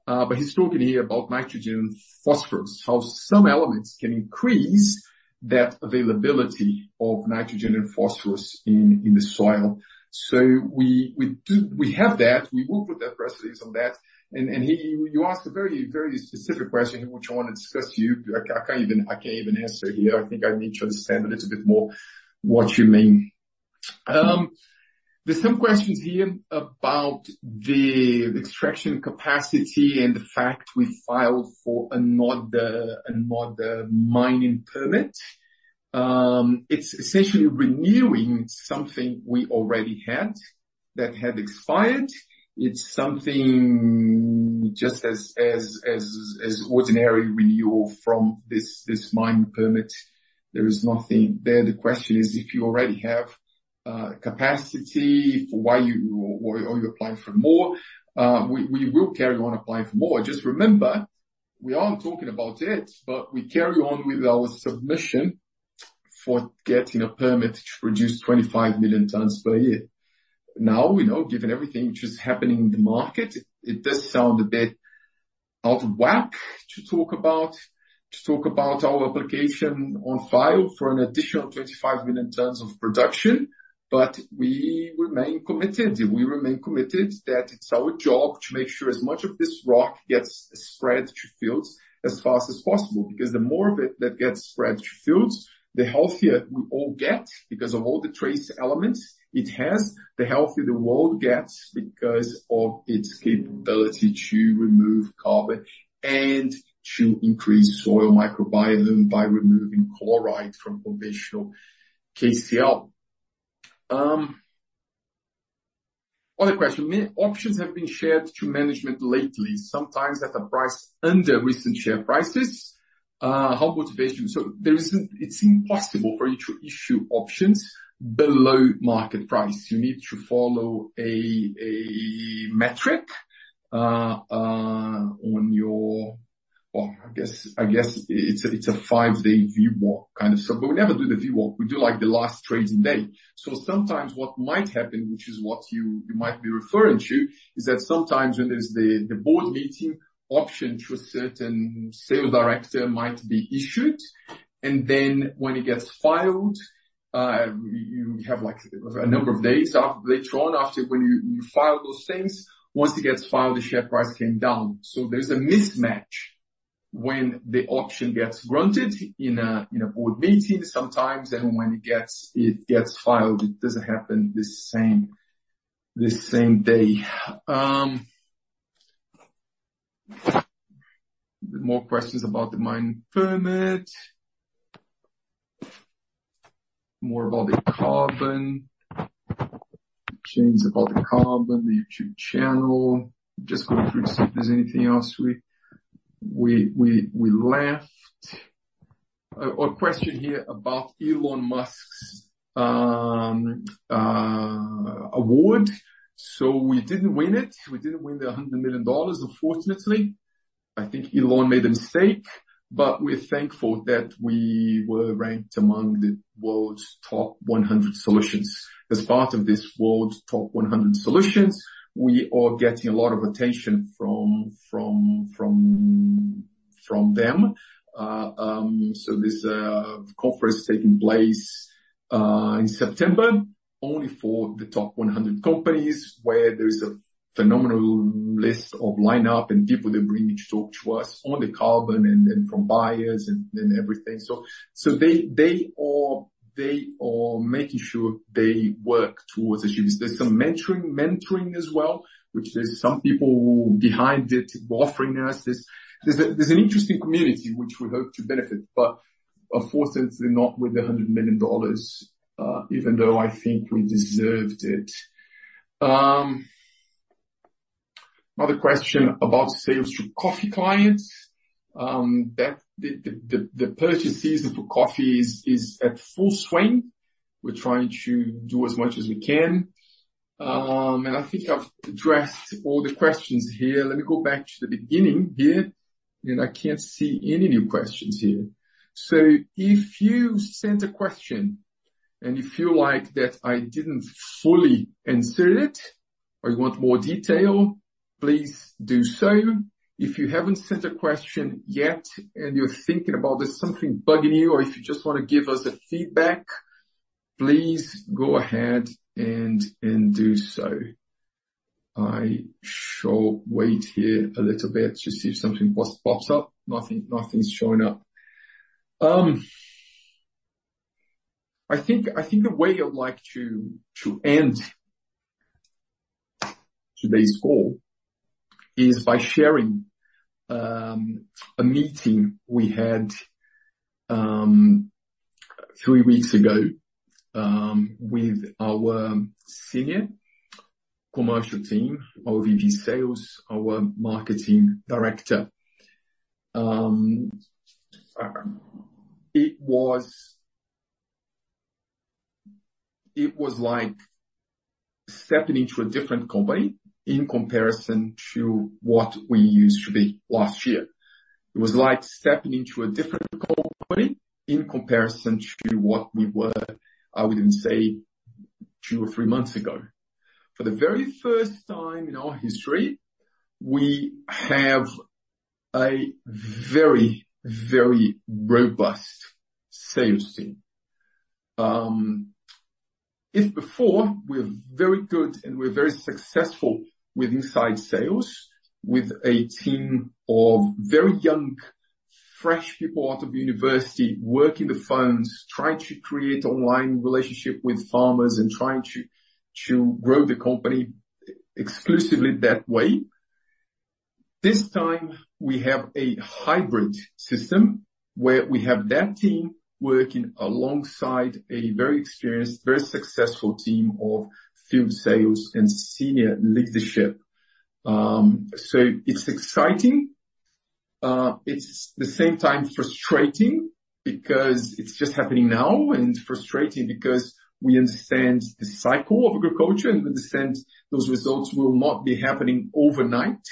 but he's talking here about nitrogen, phosphorus, how some elements can increase that availability of nitrogen and phosphorus in the soil. So we do. We have that, we will put that press release on that. And he, you asked a very specific question which I want to discuss to you. I can't even answer here. I think I need to understand a little bit more what you mean. There's some questions here about the extraction capacity and the fact we filed for another mining permit. It's essentially renewing something we already had, that had expired. It's something just as ordinary renewal from this mining permit. There is nothing there. The question is, if you already have capacity, why are you applying for more? We will carry on applying for more. Just remember, we aren't talking about it, but we carry on with our submission for getting a permit to produce 25 million tons per year. Now, you know, given everything which is happening in the market, it does sound a bit out of whack to talk about our application on file for an additional 25 million tons of production, but we remain committed. We remain committed, that it's our job to make sure as much of this rock gets spread to fields as fast as possible, because the more of it that gets spread to fields, the healthier we all get, because of all the trace elements it has. The healthier the world gets, because of its capability to remove carbon and to increase soil microbiome by removing chloride from conventional KCl. Other question. Many options have been shared to management lately, sometimes at a price under recent share prices. How motivation? So there is. It's impossible for you to issue options below market price. You need to follow a metric on your. Well, I guess it's a five-day VWAP, kind of so. But we never do the VWAP, we do, like, the last trading day. So sometimes what might happen, which is what you might be referring to, is that sometimes when there's the board meeting, option to a certain sales director might be issued, and then when it gets filed, you have, like, a number of days later on, after when you file those things. Once it gets filed, the share price came down. So there's a mismatch when the option gets granted in a board meeting sometimes, and when it gets filed, it doesn't happen the same day. More questions about the mining permit. More about the carbon things about the carbon, the YouTube channel. Just going through, see if there's anything else we left. A question here about Elon Musk's award. So we didn't win it. We didn't win the $100 million, unfortunately. I think Elon made a mistake, but we're thankful that we were ranked among the world's top one hundred solutions. As part of this world's top one hundred solutions, we are getting a lot of attention from them. So this conference is taking place in September, only for the top one hundred companies, where there is a phenomenal list of lineup and people they bring to talk to us on the carbon and from buyers and everything. So they are making sure they work towards achieving. There's some mentoring as well, which there are some people behind it offering us this. There's an interesting community which we hope to benefit, but unfortunately not with $100 million, even though I think we deserved it. Another question about sales to coffee clients, that the purchase season for coffee is at full swing. We're trying to do as much as we can, and I think I've addressed all the questions here. Let me go back to the beginning here, and I can't see any new questions here. So if you sent a question, and you feel like that I didn't fully answer it, or you want more detail, please do so. If you haven't sent a question yet, and you're thinking about there's something bugging you, or if you just wanna give us a feedback, please go ahead and do so. I shall wait here a little bit to see if something pops up. Nothing's showing up. I think the way I'd like to end today's call is by sharing a meeting we had three weeks ago with our senior commercial team, our B2B sales, our marketing director. It was like stepping into a different company in comparison to what we used to be last year. It was like stepping into a different company in comparison to what we were, I would even say, two or three months ago. For the very first time in our history, we have a very, very robust sales team. If before we're very good and we're very successful with inside sales, with a team of very young, fresh people out of university, working the phones, trying to create online relationship with farmers and trying to grow the company exclusively that way. This time, we have a hybrid system, where we have that team working alongside a very experienced, very successful team of field sales and senior leadership. So it's exciting. It's the same time frustrating, because it's just happening now, and it's frustrating because we understand the cycle of agriculture, and we understand those results will not be happening overnight,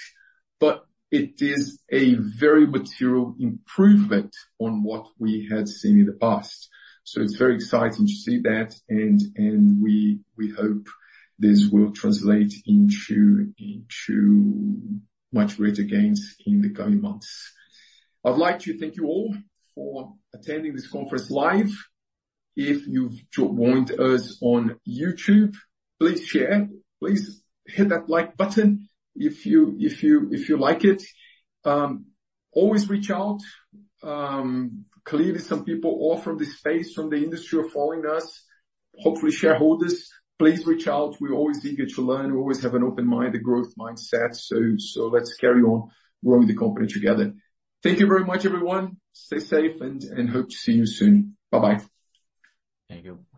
but it is a very material improvement on what we had seen in the past. So it's very exciting to see that, and we hope this will translate into much greater gains in the coming months. I'd like to thank you all for attending this conference live. If you've joined us on YouTube, please share. Please hit that like button if you like it. Always reach out. Clearly, some people all from this space, from the industry are following us. Hopefully, shareholders, please reach out. We're always eager to learn. We always have an open mind, a growth mindset, so let's carry on growing the company together. Thank you very much, everyone. Stay safe, and hope to see you soon. Bye-bye. Thank you. Bye-bye.